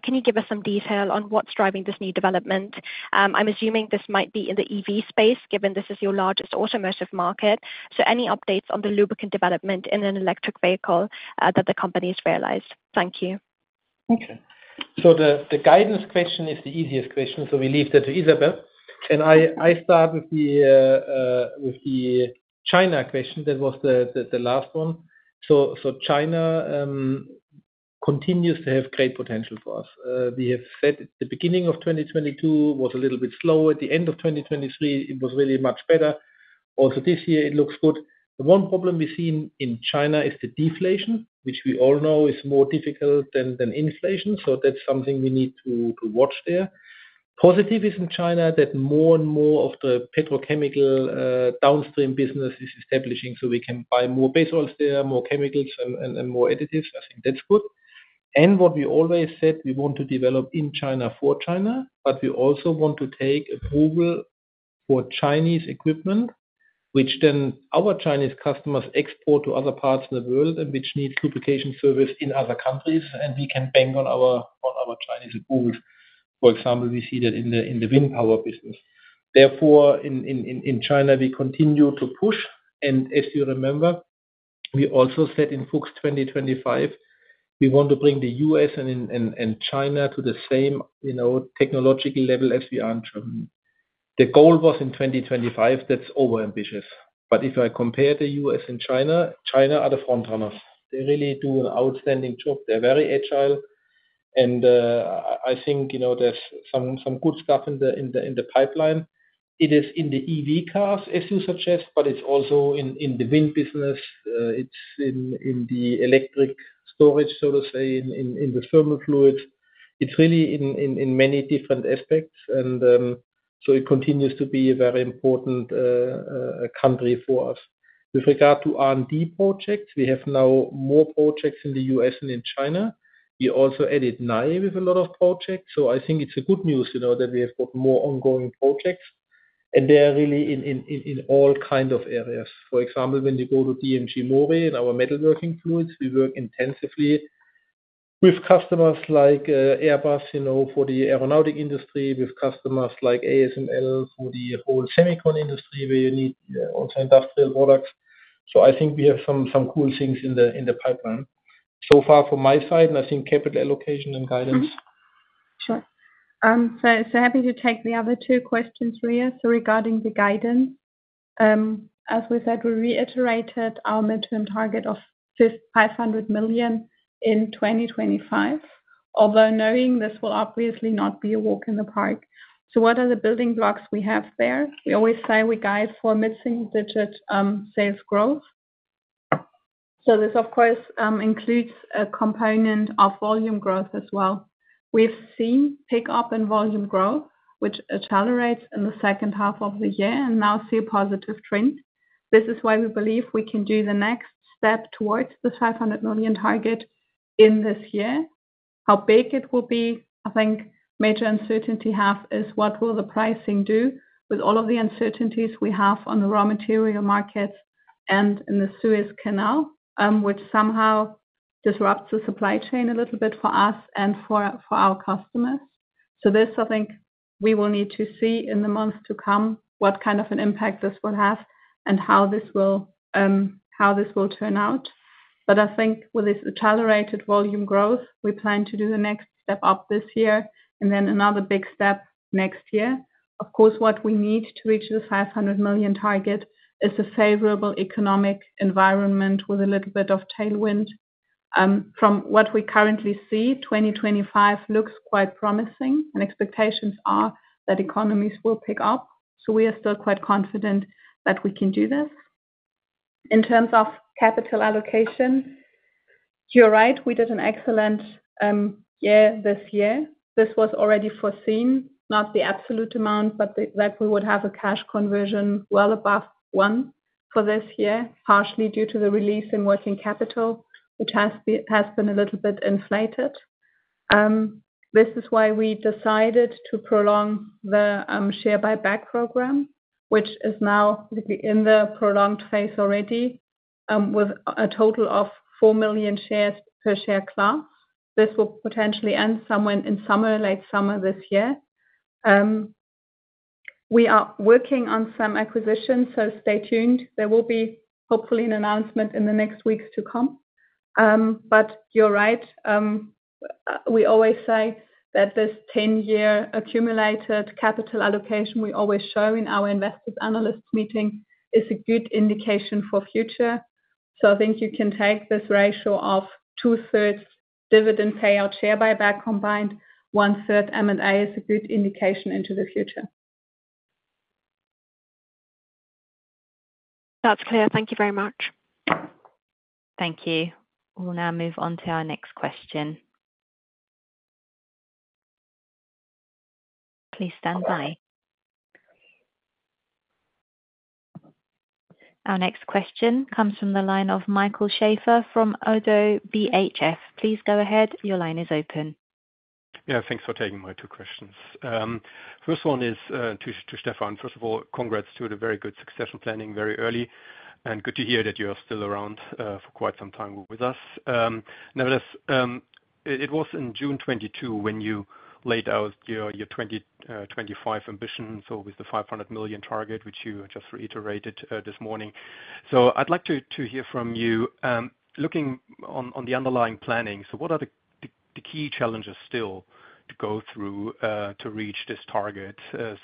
Can you give us some detail on what's driving this new development? I'm assuming this might be in the EV space, given this is your largest automotive market. So any updates on the lubricant development in an electric vehicle, that the company has realized? Thank you. Okay. So the guidance question is the easiest question, so we leave that to Isabelle. And I start with the China question. That was the last one. So China continues to have great potential for us. We have said at the beginning of 2022 was a little bit slow. At the end of 2023, it was really much better. Also, this year it looks good. The one problem we've seen in China is the deflation, which we all know is more difficult than inflation, so that's something we need to watch there. Positive is in China, that more and more of the petrochemical downstream business is establishing, so we can buy more base oils there, more chemicals and more additives. I think that's good. And what we always said, we want to develop in China for China, but we also want to take approval for Chinese equipment, which then our Chinese customers export to other parts of the world, and which needs lubrication service in other countries, and we can bank on our Chinese approvals. For example, we see that in the wind power business. Therefore, in China, we continue to push. And as you remember, we also said in FUCHS 2025, we want to bring the U.S. and China to the same, you know, technological level as we are in Germany. The goal was in 2025. That's overambitious. But if I compare the U.S. and China, China are the front runners. They really do an outstanding job. They're very agile, and I think, you know, there's some good stuff in the pipeline. It is in the EV cars, as you suggest, but it's also in the wind business. It's in the electric storage, so to say, in the thermal fluids. It's really in many different aspects, and so it continues to be a very important country for us. With regard to R&D projects, we have now more projects in the U.S. and in China. We also added 9 with a lot of projects. So I think it's good news to know that we have got more ongoing projects, and they are really in all kind of areas. For example, when you go to DMG MORI and our metalworking fluids, we work intensively with customers like, Airbus, you know, for the aeronautic industry, with customers like ASML, for the whole semicon industry, where you need also industrial products. So I think we have some cool things in the pipeline. So far from my side, and I think capital allocation and guidance. Mm-hmm. Sure. So happy to take the other two questions, Riya. So regarding the guidance, as we said, we reiterated our midterm target of 500 million in 2025, although knowing this will obviously not be a walk in the park. So what are the building blocks we have there? We always say we guide for a mid-single digit sales growth. So this, of course, includes a component of volume growth as well. We've seen pickup in volume growth, which accelerates in the second half of the year, and now see a positive trend. This is why we believe we can do the next step towards the 500 million target in this year. How big it will be? I think major uncertainty half is what will the pricing do with all of the uncertainties we have on the raw material markets and in the Suez Canal, which somehow disrupts the supply chain a little bit for us and for, for our customers. So this, I think, we will need to see in the months to come, what kind of an impact this will have and how this will, how this will turn out. But I think with this accelerated volume growth, we plan to do the next step up this year, and then another big step next year. Of course, what we need to reach the 500 million target is a favorable economic environment with a little bit of tailwind. From what we currently see, 2025 looks quite promising, and expectations are that economies will pick up, so we are still quite confident that we can do this. In terms of capital allocation, you're right, we did an excellent year this year. This was already foreseen, not the absolute amount, but that we would have a cash conversion well above 1 for this year, partially due to the release in working capital, which has been a little bit inflated. This is why we decided to prolong the share buyback program, which is now in the prolonged phase already, with a total of 4 million shares per share class. This will potentially end somewhere in summer, late summer, this year. We are working on some acquisitions, so stay tuned. There will be hopefully an announcement in the next weeks to come. But you're right, we always say that this 10-year accumulated capital allocation we always show in our investors analyst meeting is a good indication for future. So I think you can take this ratio of 2/3 dividend payout, share buyback combined, 1/3 M&A is a good indication into the future. That's clear. Thank you very much. Thank you. We'll now move on to our next question. Please stand by. Our next question comes from the line of Michael Schaefer from ODDO BHF. Please go ahead. Your line is open. Yeah, thanks for taking my two questions. First one is, to Stefan. First of all, congrats to the very good succession planning, very early, and good to hear that you are still around, for quite some time with us. Nevertheless, it was in June 2022 when you laid out your 25 ambitions, so with the 500 million target, which you just reiterated, this morning. So I'd like to hear from you, looking on the underlying planning, so what are the key challenges still to go through, to reach this target?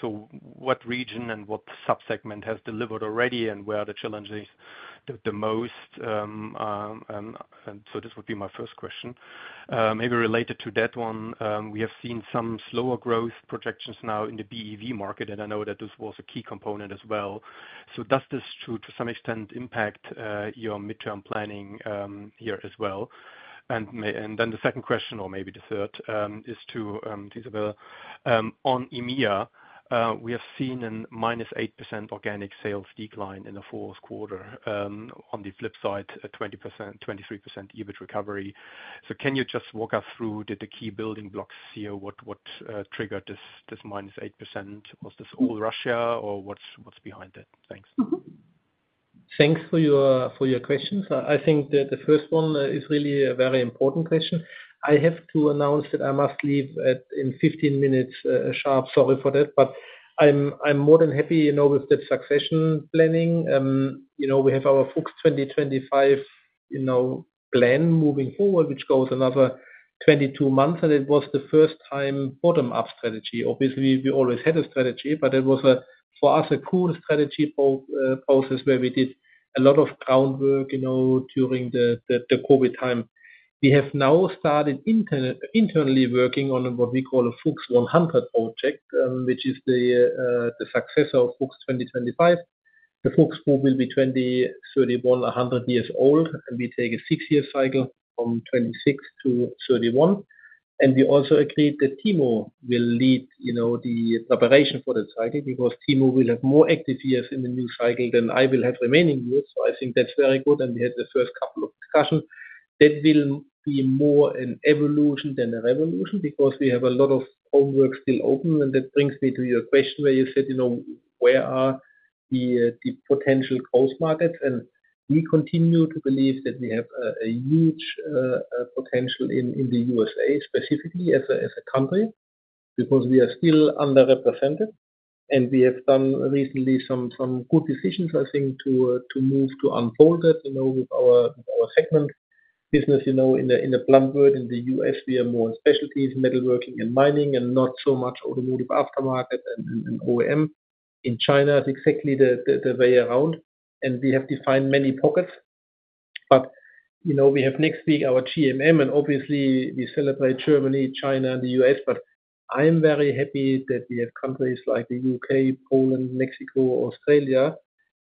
So what region and what sub-segment has delivered already, and where are the challenges the most, and so this would be my first question. Maybe related to that one, we have seen some slower growth projections now in the BEV market, and I know that this was a key component as well. So does this, to some extent, impact your midterm planning here as well? And then the second question, or maybe the third, is to Isabelle. On EMEA, we have seen a -8% organic sales decline in the fourth quarter. On the flip side, a 20%, 23% EBIT recovery. So can you just walk us through the key building blocks here? What triggered this -8%? Was this all Russia or what's behind it? Thanks. Mm-hmm. Thanks for your questions. I think that the first one is really a very important question. I have to announce that I must leave in 15 minutes sharp. Sorry for that, but I'm more than happy, you know, with the succession planning. You know, we have our FUCHS 2025 plan moving forward, which goes another 22 months, and it was the first time bottom-up strategy. Obviously, we always had a strategy, but it was a, for us, a cool strategy process, where we did a lot of groundwork, you know, during the COVID time. We have now started internally working on what we call a FUCHS 100 project, which is the success of FUCHS 2025. The FUCHS Group will be 2031, 100 years old, and we take a six-year cycle from 2026 to 2031. We also agreed that Timo will lead, you know, the preparation for that cycle, because Timo will have more active years in the new cycle than I will have remaining years. I think that's very good, and we had the first couple of discussions. That will be more an evolution than a revolution, because we have a lot of homework still open. That brings me to your question where you said, you know, where are the, the potential growth markets? And we continue to believe that we have a huge potential in the USA, specifically as a company, because we are still underrepresented, and we have done recently some good decisions, I think, to move to unfold that, you know, with our segment business. You know, in the plant world, in the U.S., we are more in specialties, metalworking and mining, and not so much automotive aftermarket and OEM. In China, it's exactly the way around, and we have to find many pockets. But, you know, we have next week our GMM, and obviously we celebrate Germany, China, and the U.S., but I'm very happy that we have countries like the U.K., Poland, Mexico, Australia,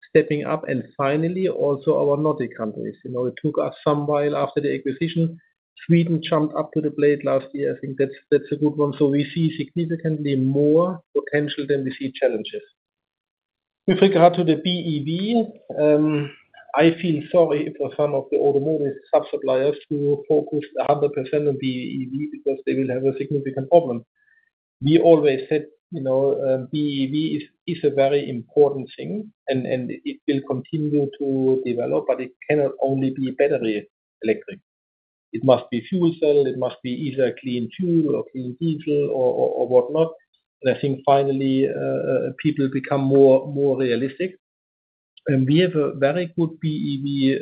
stepping up, and finally also our Nordic countries. You know, it took us some while after the acquisition. Sweden jumped up to the plate last year. I think that's a good one. So we see significantly more potential than we see challenges. With regard to the BEV, I feel sorry for some of the automotive suppliers who focused 100% on BEV, because they will have a significant problem. We always said, you know, BEV is a very important thing, and it will continue to develop, but it cannot only be battery electric. It must be fuel cell, it must be either clean fuel or clean diesel or whatnot. And I think finally, people become more realistic. And we have a very good BEV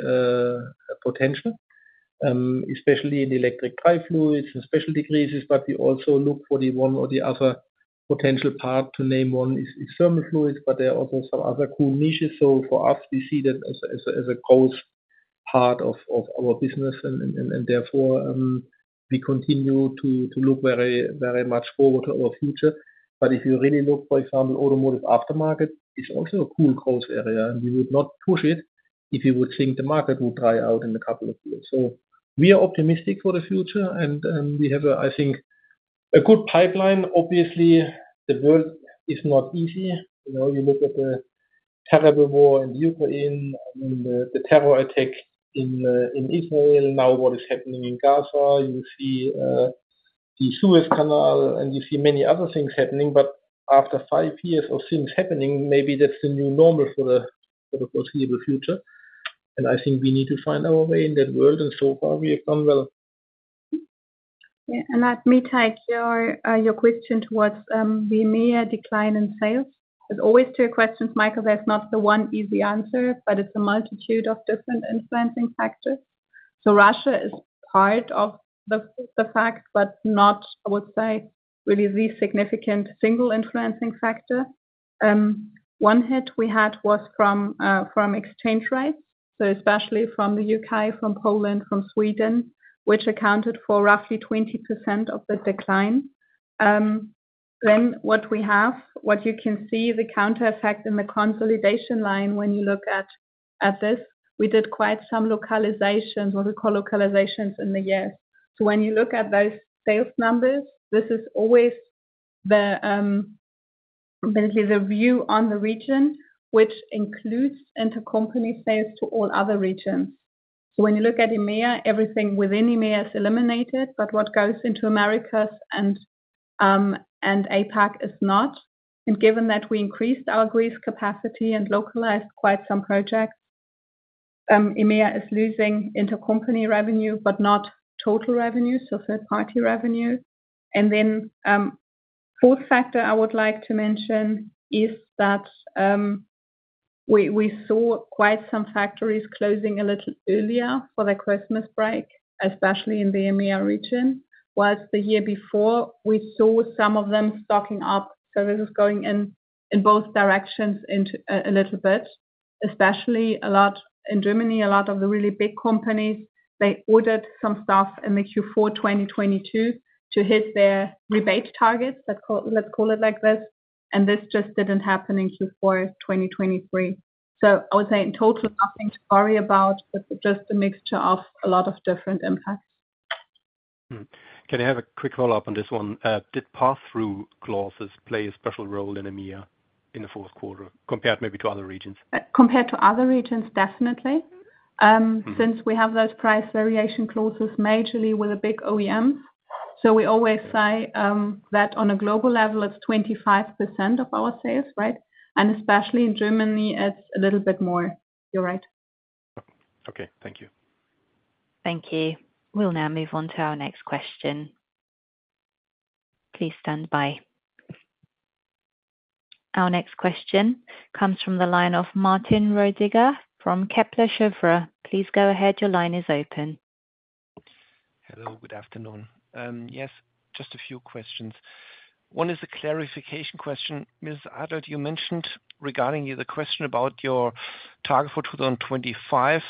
potential, especially in e-axle fluids and special greases. But we also look for the one or the other potential part, to name one, is thermal fluids, but there are also some other cool niches. So for us, we see that as a growth part of our business, and therefore we continue to look very, very much forward to our future. But if you really look, for example, automotive aftermarket is also a cool growth area, and we would not push it if you would think the market would dry out in a couple of years. So we are optimistic for the future, and we have a, I think, a good pipeline. Obviously, the world is not easy. You know, you look at the terrible war in Ukraine, and the terror attack in Israel, now what is happening in Gaza. You see, the Suez Canal, and you see many other things happening. But after five years of things happening, maybe that's the new normal for the foreseeable future. And I think we need to find our way in that world, and so far, we have done well. Yeah, and let me take your question towards the EMEA decline in sales. There's always two questions, Michael. There's not the one easy answer, but it's a multitude of different influencing factors. So Russia is part of the fact, but not, I would say, really the significant single influencing factor. One hit we had was from exchange rates, so especially from the U.K., from Poland, from Sweden, which accounted for roughly 20% of the decline. Then what we have, what you can see, the counter effect in the consolidation line when you look at this, we did quite some localizations, what we call localizations in the year. So when you look at those sales numbers, this is always the basically the view on the region, which includes intercompany sales to all other regions. When you look at EMEA, everything within EMEA is eliminated, but what goes into Americas and APAC is not. And given that we increased our grease capacity and localized quite some projects, EMEA is losing intercompany revenue, but not total revenue, so third-party revenue. And then, fourth factor I would like to mention is that, we saw quite some factories closing a little earlier for their Christmas break, especially in the EMEA region. While the year before, we saw some of them stocking up. So this is going in both directions into a little bit, especially a lot in Germany. A lot of the really big companies, they ordered some stuff in the Q4 2022 to hit their rebate targets. Let's call it like this, and this just didn't happen in Q4 2023. I would say in total, nothing to worry about, but just a mixture of a lot of different impacts. Can I have a quick follow-up on this one? Did pass-through clauses play a special role in EMEA in the fourth quarter, compared maybe to other regions? Compared to other regions, definitely. Mm-hmm. Since we have those price variation clauses majorly with a big OEM. So we always say, that on a global level, it's 25% of our sales, right? And especially in Germany, it's a little bit more. You're right. Okay, thank you. Thank you. We'll now move on to our next question. Please stand by. Our next question comes from the line of Martin Roediger from Kepler Cheuvreux. Please go ahead. Your line is open. Hello, good afternoon. Yes, just a few questions. One is a clarification question. Ms. Adelt, you mentioned regarding the question about your target for 2025,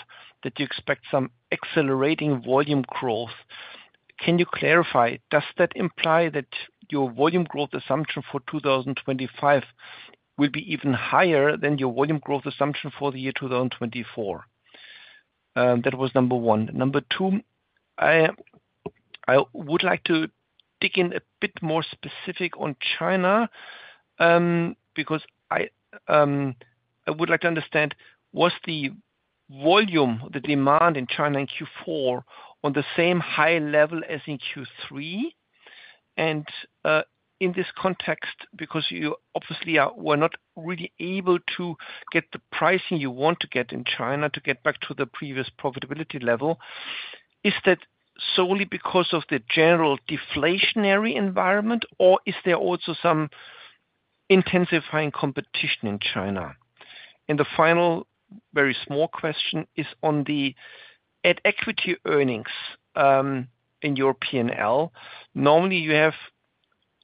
that you expect some accelerating volume growth. Can you clarify, does that imply that your volume growth assumption for 2025 will be even higher than your volume growth assumption for the year 2024? That was number one. Number two, I, I would like to dig in a bit more specific on China, because I would like to understand, was the volume, the demand in China in Q4 on the same high level as in Q3? In this context, because you obviously are, were not really able to get the pricing you want to get in China to get back to the previous profitability level, is that solely because of the general deflationary environment, or is there also some intensifying competition in China? And the final, very small question is on the at-equity earnings in your P&L. Normally, you have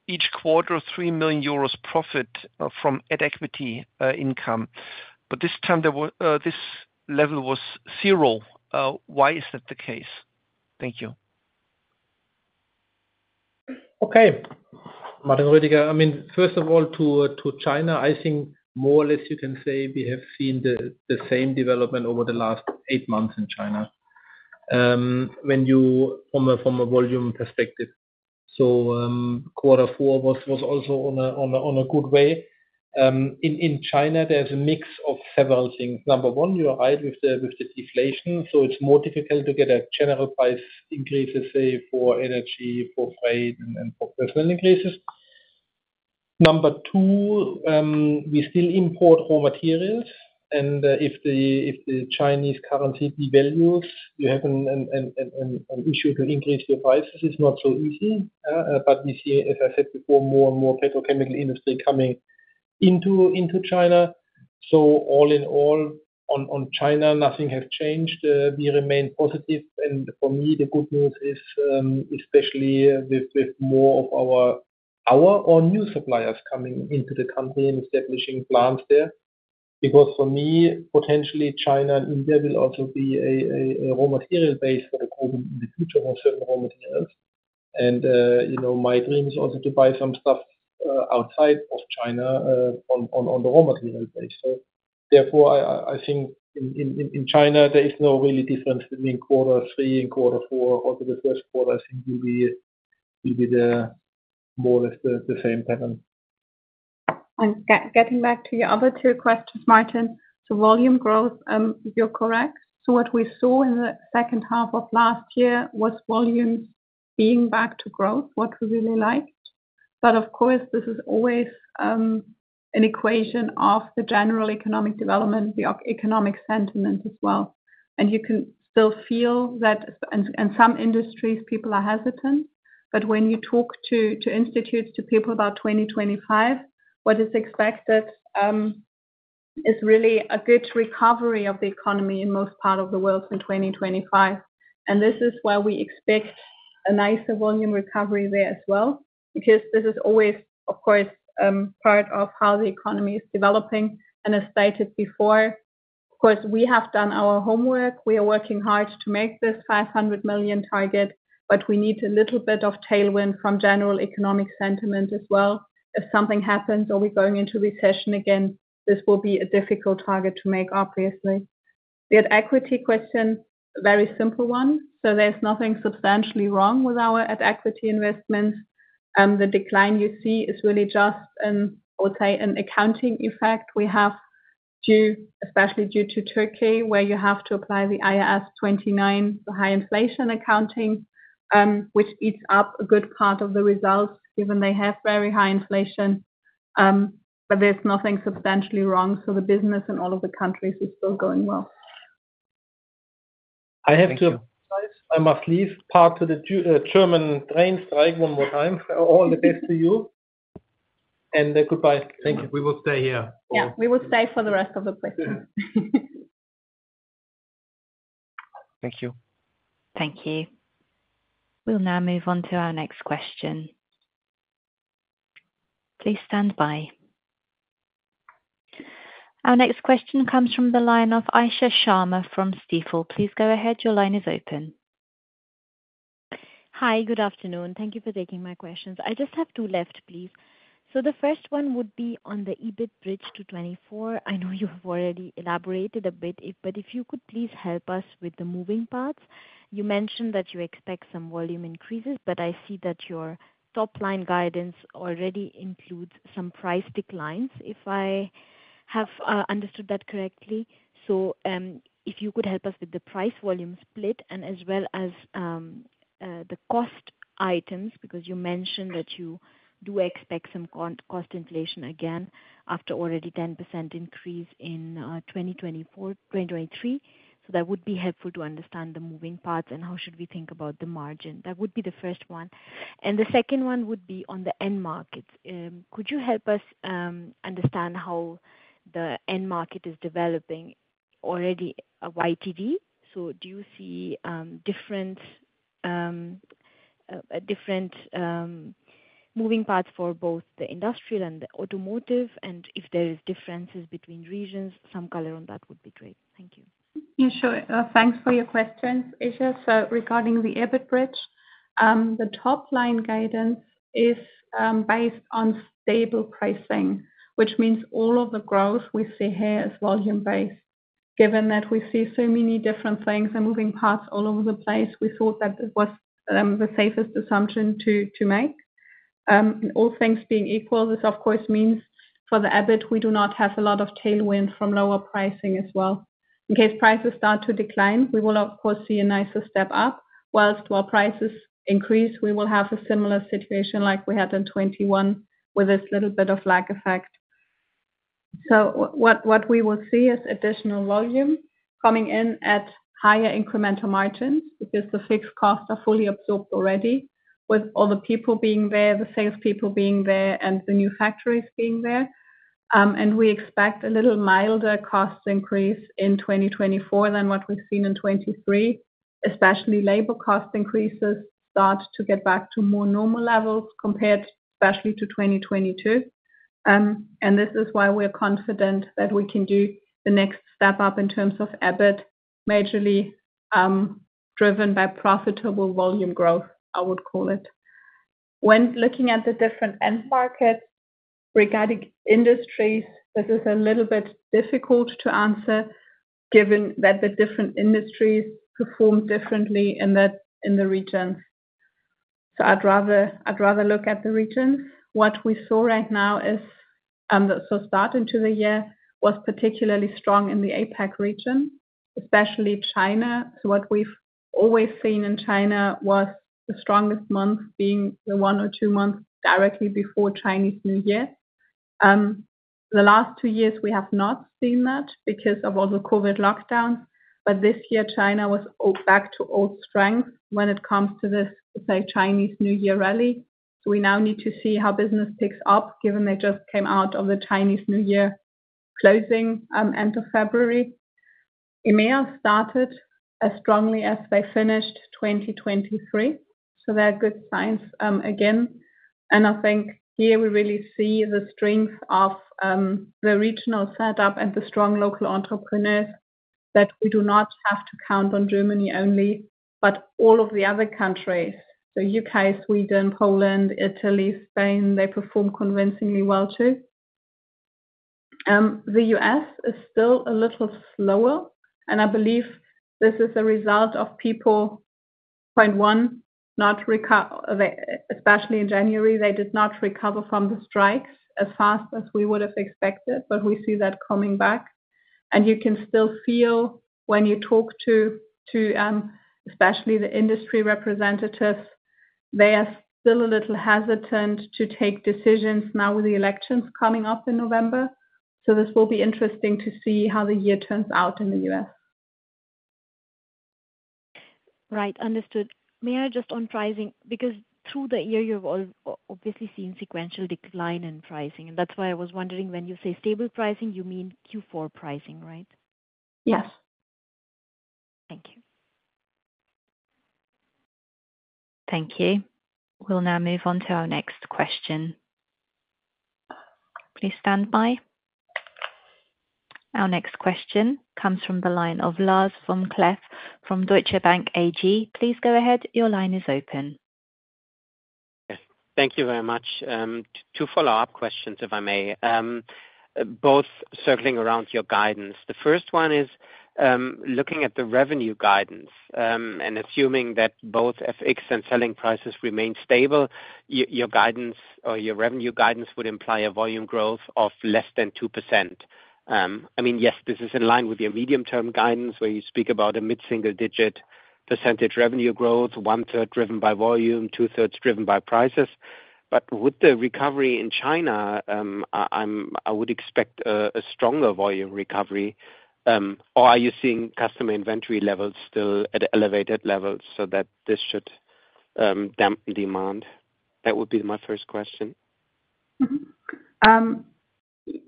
each quarter 3 million euros profit from at-equity income, but this time there were, this level was zero. Why is that the case? Thank you. Okay, Martin Roediger. I mean, first of all, to China, I think more or less you can say we have seen the same development over the last eight months in China. When you... From a volume perspective. So, quarter four was also on a good way. In China, there's a mix of several things. Number one, you are right with the deflation, so it's more difficult to get a general price increase, say, for energy, for freight, and for personnel increases. Number two, we still import raw materials, and if the Chinese currency devalues, we have an issue to increase the prices. It's not so easy, but we see, as I said before, more and more petrochemical industry coming into China. So all in all, on China, nothing has changed. We remain positive, and for me, the good news is, especially with more of our own new suppliers coming into the country and establishing plants there. Because for me, potentially China and India will also be a raw material base for the group in the future for certain raw materials. And, you know, my dream is also to buy some stuff outside of China on the raw material base. So therefore, I think in China, there is no real difference between quarter three and quarter four or to the first quarter. I think it will be more or less the same pattern. And getting back to your other two questions, Martin. So volume growth, you're correct. So what we saw in the second half of last year was volume being back to growth, what we really liked. But of course, this is always an equation of the general economic development, the economic sentiment as well. And you can still feel that... And some industries, people are hesitant, but when you talk to institutes, to people about 2025, what is expected is really a good recovery of the economy in most part of the world in 2025. And this is why we expect a nicer volume recovery there as well, because this is always, of course, part of how the economy is developing. And as stated before, of course, we have done our homework. We are working hard to make this 500 million target, but we need a little bit of tailwind from general economic sentiment as well. If something happens or we're going into recession again, this will be a difficult target to make, obviously. The equity question, very simple one, so there's nothing substantially wrong with our at equity investments. The decline you see is really just, I would say, an accounting effect we have due, especially due to Turkey, where you have to apply the IAS 29, the high inflation accounting, which eats up a good part of the results, given they have very high inflation. But there's nothing substantially wrong, so the business in all of the countries is still going well. I have to- Thank you. I must leave, due to the German train strike one more time. All the best to you, and goodbye. Thank you. We will stay here. Yeah, we will stay for the rest of the presentation. Thank you. Thank you. We'll now move on to our next question. Please stand by. Our next question comes from the line of Isha Sharma from Stifel. Please go ahead. Your line is open. Hi, good afternoon. Thank you for taking my questions. I just have two left, please. So the first one would be on the EBIT bridge to 2024. I know you've already elaborated a bit, but if you could please help us with the moving parts. You mentioned that you expect some volume increases, but I see that your top line guidance already includes some price declines, if I have understood that correctly. So, if you could help us with the price volume split and as well as the cost items, because you mentioned that you do expect some cost inflation again after already 10% increase in 2023. So that would be helpful to understand the moving parts and how should we think about the margin. That would be the first one. The second one would be on the end markets. Could you help us understand how the end market is developing already, YTD? So do you see different moving parts for both the industrial and the automotive? And if there is differences between regions, some color on that would be great. Thank you. Yeah, sure. Thanks for your questions, Isha. So regarding the EBIT bridge, the top-line guidance is based on stable pricing, which means all of the growth we see here is volume-based. Given that we see so many different things and moving parts all over the place, we thought that it was the safest assumption to make. All things being equal, this of course means for the EBIT, we do not have a lot of tailwind from lower pricing as well. In case prices start to decline, we will of course see a nicer step up, while prices increase, we will have a similar situation like we had in 2021, with this little bit of lag effect. So what we will see is additional volume coming in at higher incremental margins, because the fixed costs are fully absorbed already, with all the people being there, the salespeople being there, and the new factories being there. And we expect a little milder cost increase in 2024 than what we've seen in 2023. Especially labor cost increases start to get back to more normal levels, compared especially to 2022. And this is why we're confident that we can do the next step up in terms of EBIT, majorly, driven by profitable volume growth, I would call it. When looking at the different end markets regarding industries, this is a little bit difficult to answer, given that the different industries perform differently in the, in the regions. So I'd rather, I'd rather look at the regions. What we saw right now is-... So the start into the year was particularly strong in the APAC region, especially China. So what we've always seen in China was the strongest month being the one or two months directly before Chinese New Year. The last two years we have not seen that because of all the COVID lockdowns, but this year China was back to old strength when it comes to this, let's say, Chinese New Year rally. So we now need to see how business picks up, given they just came out of the Chinese New Year closing end of February. EMEA started as strongly as they finished 2023, so they're good signs again. And I think here we really see the strength of the regional setup and the strong local entrepreneurs, that we do not have to count on Germany only, but all of the other countries. The U.K., Sweden, Poland, Italy, Spain, they perform convincingly well, too. The U.S. is still a little slower, and I believe this is a result of people, point one, especially in January, they did not recover from the strikes as fast as we would've expected, but we see that coming back. And you can still feel when you talk to, to, especially the industry representatives, they are still a little hesitant to take decisions now with the elections coming up in November. So this will be interesting to see how the year turns out in the U.S. Right. Understood. May I just on pricing, because through the year, you've obviously seen sequential decline in pricing, and that's why I was wondering, when you say stable pricing, you mean Q4 pricing, right? Yes. Thank you. Thank you. We'll now move on to our next question. Please stand by. Our next question comes from the line of Lars Vom Cleff from Deutsche Bank AG. Please go ahead. Your line is open. Thank you very much. Two follow-up questions, if I may, both circling around your guidance. The first one is, looking at the revenue guidance, and assuming that both FX and selling prices remain stable, your guidance or your revenue guidance would imply a volume growth of less than 2%. I mean, yes, this is in line with your medium-term guidance, where you speak about a mid-single digit percentage revenue growth, one third driven by volume, two thirds driven by prices. But with the recovery in China, I would expect a stronger volume recovery. Or are you seeing customer inventory levels still at elevated levels so that this should dampen demand? That would be my first question. Mm-hmm.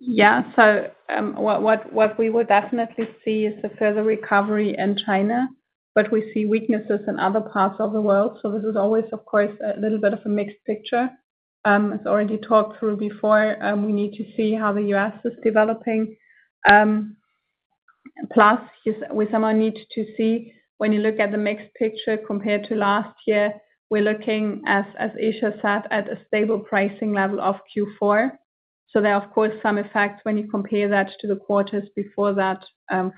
Yeah, so what we would definitely see is a further recovery in China, but we see weaknesses in other parts of the world. So this is always, of course, a little bit of a mixed picture. As already talked through before, we need to see how the U.S. is developing. Plus, we somehow need to see, when you look at the mixed picture compared to last year, we're looking as Asia sat at a stable pricing level of Q4. So there are, of course, some effects when you compare that to the quarters before that,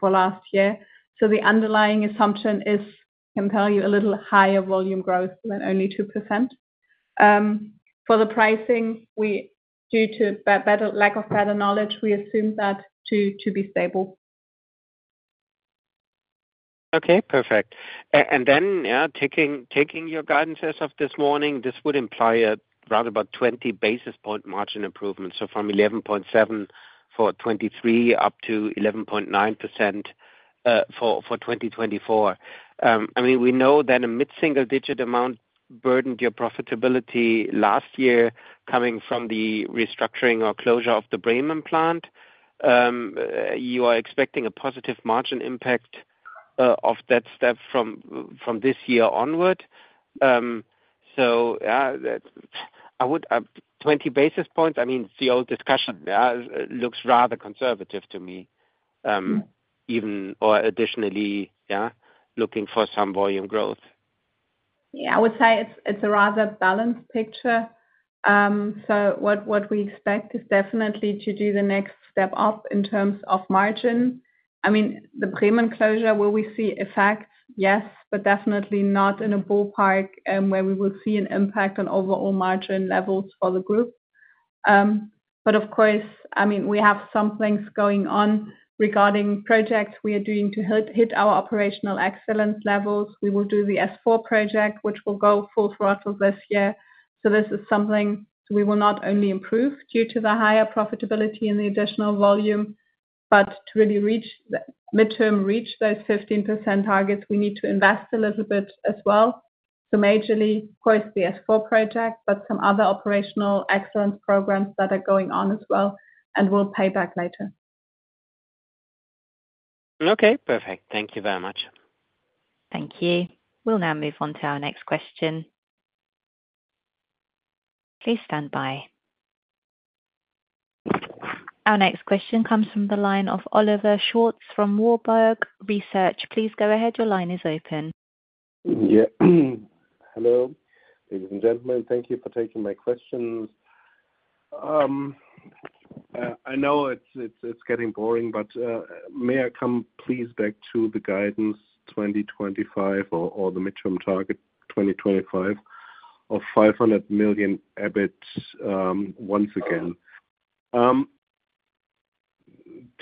for last year. So the underlying assumption is, can tell you a little higher volume growth than only 2%. For the pricing we, due to better lack of better knowledge, we assume that to be stable. Okay, perfect. And then, yeah, taking your guidance as of this morning, this would imply around 20 basis point margin improvement, so from 11.7% for 2023 up to 11.9% for 2024. I mean, we know that a mid-single digit amount burdened your profitability last year, coming from the restructuring or closure of the Bremen plant. You are expecting a positive margin impact of that step from this year onward. So, that 20 basis points, I mean, the old discussion, yeah, looks rather conservative to me, even or additionally, yeah, looking for some volume growth. Yeah, I would say it's a rather balanced picture. So what we expect is definitely to do the next step up in terms of margin. I mean, the Bremen closure, will we see effect? Yes, but definitely not in a ballpark where we will see an impact on overall margin levels for the group. But of course, I mean, we have some things going on regarding projects we are doing to hit our operational excellence levels. We will do the S/4 project, which will go full throttle this year. So this is something we will not only improve due to the higher profitability and the additional volume, but to really reach the midterm reach those 15% targets, we need to invest a little bit as well. So majorly, of course, the S/4 project, but some other operational excellence programs that are going on as well, and will pay back later. Okay, perfect. Thank you very much. Thank you. We'll now move on to our next question. Please stand by. Our next question comes from the line of Oliver Schwarz from Warburg Research. Please go ahead. Your line is open. Yeah. Hello, ladies and gentlemen, thank you for taking my questions. I know it's getting boring, but may I come please back to the guidance 2025 or the midterm target, 2025 of 500 million EBIT, once again.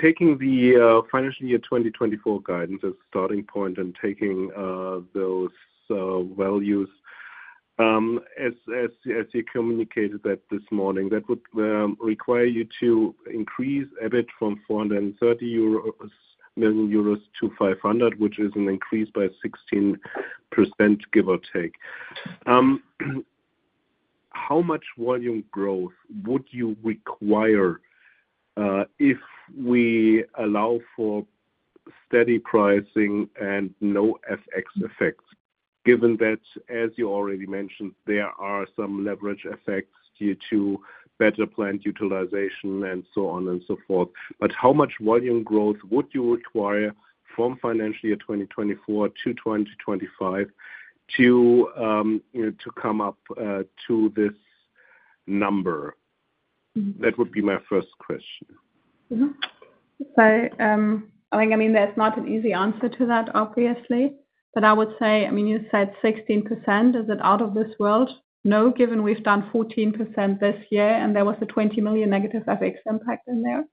Taking the financial year 2024 guidance as a starting point and taking those values as you communicated that this morning, that would require you to increase EBIT from 430 million euros to 500 million, which is an increase by 16%, give or take. How much volume growth would you require, if we allow for steady pricing and no FX effects? Given that, as you already mentioned, there are some leverage effects due to better plant utilization and so on and so forth. How much volume growth would you require from financial year 2024 to 2025 to, you know, to come up to this number? That would be my first question. Mm-hmm. So, I think, I mean, that's not an easy answer to that, obviously. But I would say, I mean, you said 16%. Is it out of this world? No, given we've done 14% this year, and there was a 20 million negative FX impact in there.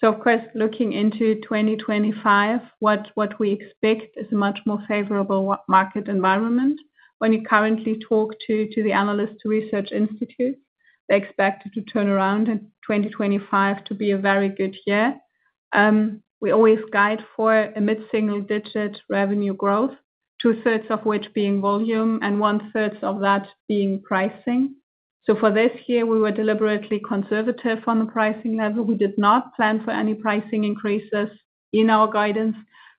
So of course, looking into 2025, what we expect is a much more favorable market environment. When you currently talk to the analyst research institute, they expect it to turn around in 2025 to be a very good year. We always guide for a mid-single digit revenue growth, two-thirds of which being volume and one-third of that being pricing. So for this year, we were deliberately conservative on the pricing level. We did not plan for any pricing increases in our guidance,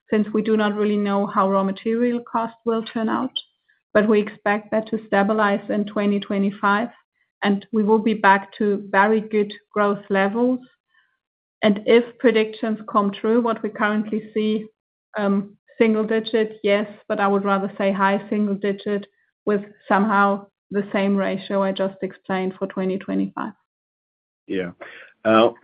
since we do not really know how raw material costs will turn out. But we expect that to stabilize in 2025, and we will be back to very good growth levels. And if predictions come true, what we currently see, single digit, yes, but I would rather say high single digit with somehow the same ratio I just explained for 2025. Yeah.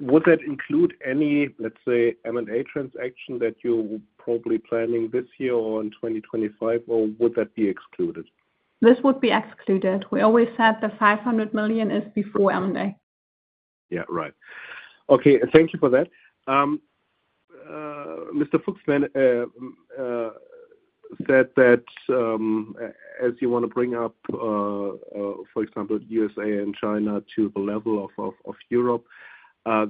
Would that include any, let's say, M&A transaction that you're probably planning this year or in 2025, or would that be excluded? This would be excluded. We always said the 500 million is before M&A. Yeah, right. Okay, thank you for that. Mr. Fuchs said that, as you want to bring up, for example, U.S. and China to the level of Europe,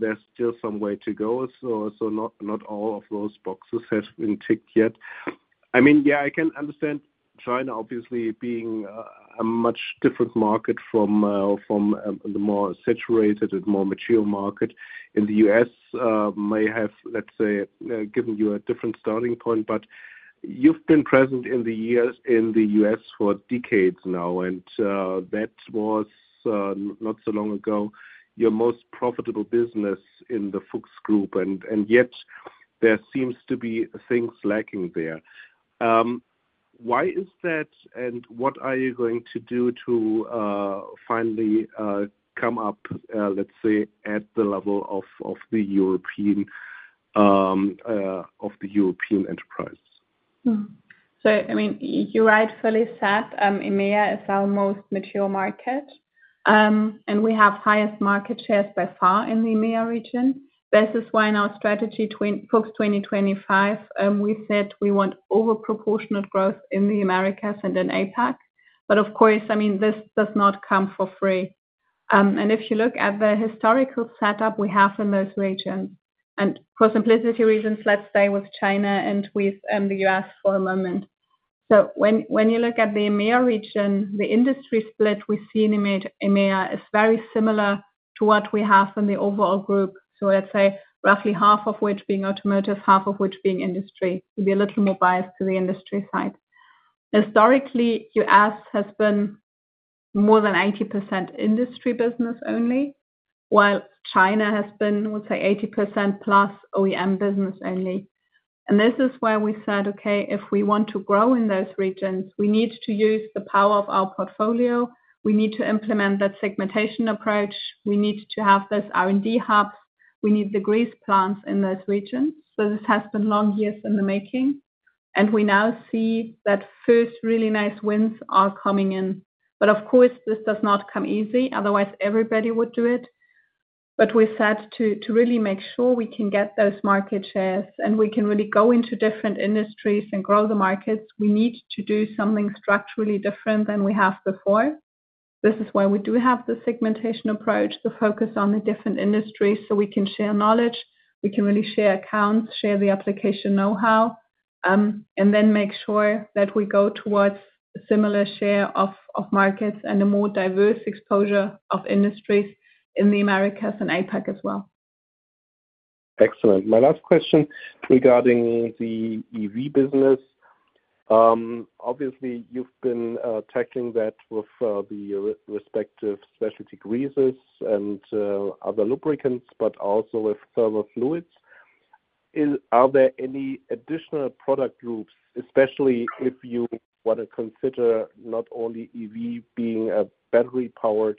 there's still some way to go. So not all of those boxes have been ticked yet. I mean, yeah, I can understand China obviously being a much different market from the more saturated and more mature market. In the U.S. may have, let's say, given you a different starting point, but you've been present in the years in the U.S. for decades now, and that was not so long ago, your most profitable business in the Fuchs Group, and yet there seems to be things lacking there. Why is that, and what are you going to do to finally come up, let's say, at the level of the European enterprise? So, I mean, you rightfully said, EMEA is our most mature market, and we have highest market shares by far in the EMEA region. This is why in our strategy to win, FUCHS 2025, we said we want over proportionate growth in the Americas and in APAC. But of course, I mean, this does not come for free. And if you look at the historical setup we have in those regions, and for simplicity reasons, let's stay with China and with the U.S. for a moment. So when you look at the EMEA region, the industry split we see in EMEA is very similar to what we have in the overall group. So let's say roughly half of which being automotive, half of which being industry, will be a little more biased to the industry side. Historically, U.S. has been more than 80% industry business only, while China has been, let's say, 80% plus OEM business only. And this is where we said, "Okay, if we want to grow in those regions, we need to use the power of our portfolio. We need to implement that segmentation approach. We need to have this R&D hub. We need the grease plants in those regions." So this has been long years in the making, and we now see that first really nice winds are coming in. But of course, this does not come easy, otherwise everybody would do it. But we said to, to really make sure we can get those market shares, and we can really go into different industries and grow the markets, we need to do something structurally different than we have before. This is why we do have the segmentation approach, the focus on the different industries, so we can share knowledge, we can really share accounts, share the application know-how, and then make sure that we go towards a similar share of markets and a more diverse exposure of industries in the Americas and APAC as well. Excellent. My last question regarding the EV business. Obviously, you've been tackling that with the respective specialty greases and other lubricants, but also with thermal fluids. Are there any additional product groups, especially if you want to consider not only EV being a battery-powered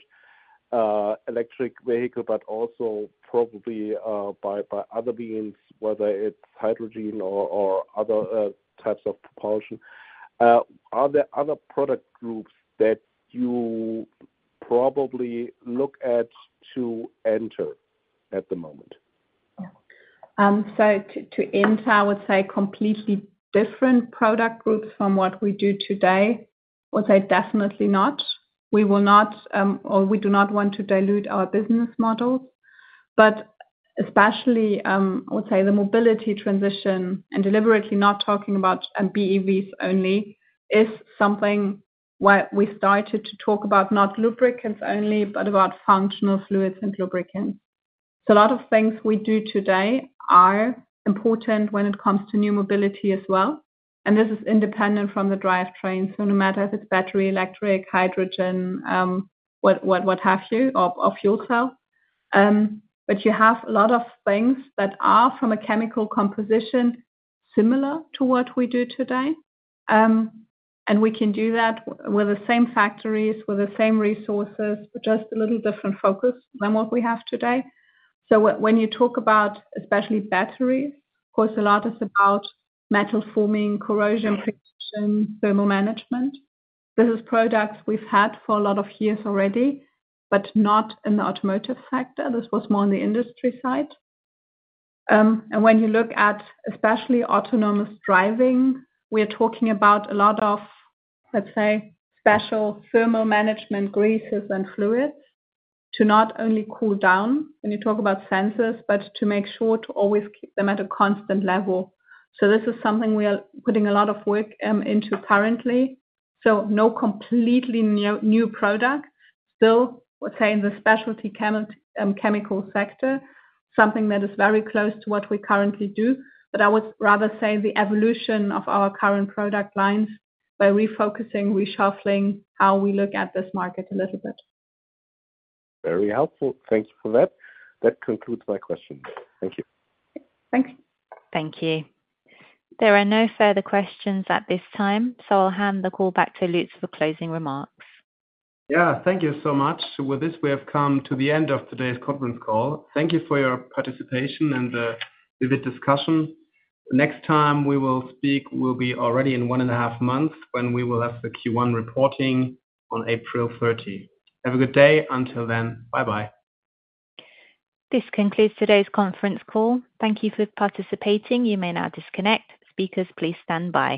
electric vehicle, but also probably by other means, whether it's hydrogen or other types of propulsion. Are there other product groups that you probably look at to enter at the moment? So to enter, I would say completely different product groups from what we do today, would say definitely not. We will not, or we do not want to dilute our business model. But especially, I would say the mobility transition, and deliberately not talking about BEVs only, is something where we started to talk about not lubricants only, but about functional fluids and lubricants. So a lot of things we do today are important when it comes to new mobility as well, and this is independent from the drivetrain. So no matter if it's battery, electric, hydrogen, what have you, or fuel cell. But you have a lot of things that are, from a chemical composition, similar to what we do today. And we can do that with the same factories, with the same resources, just a little different focus than what we have today. So when you talk about especially batteries, of course, a lot is about metal forming, corrosion protection, thermal management. This is products we've had for a lot of years already, but not in the automotive sector. This was more on the industry side. And when you look at especially autonomous driving, we are talking about a lot of, let's say, special thermal management greases and fluids, to not only cool down when you talk about sensors, but to make sure to always keep them at a constant level. So this is something we are putting a lot of work into currently. So no completely new product. Still, I would say, in the specialty chemical sector, something that is very close to what we currently do, but I would rather say the evolution of our current product lines by refocusing, reshuffling, how we look at this market a little bit. Very helpful. Thank you for that. That concludes my questions. Thank you. Thanks. Thank you. There are no further questions at this time, so I'll hand the call back to Lutz for closing remarks. Yeah, thank you so much. With this, we have come to the end of today's conference call. Thank you for your participation and vivid discussion. Next time we will speak will be already in one and a half months, when we will have the Q1 reporting on April 30. Have a good day. Until then, bye-bye. This concludes today's conference call. Thank you for participating. You may now disconnect. Speakers, please stand by.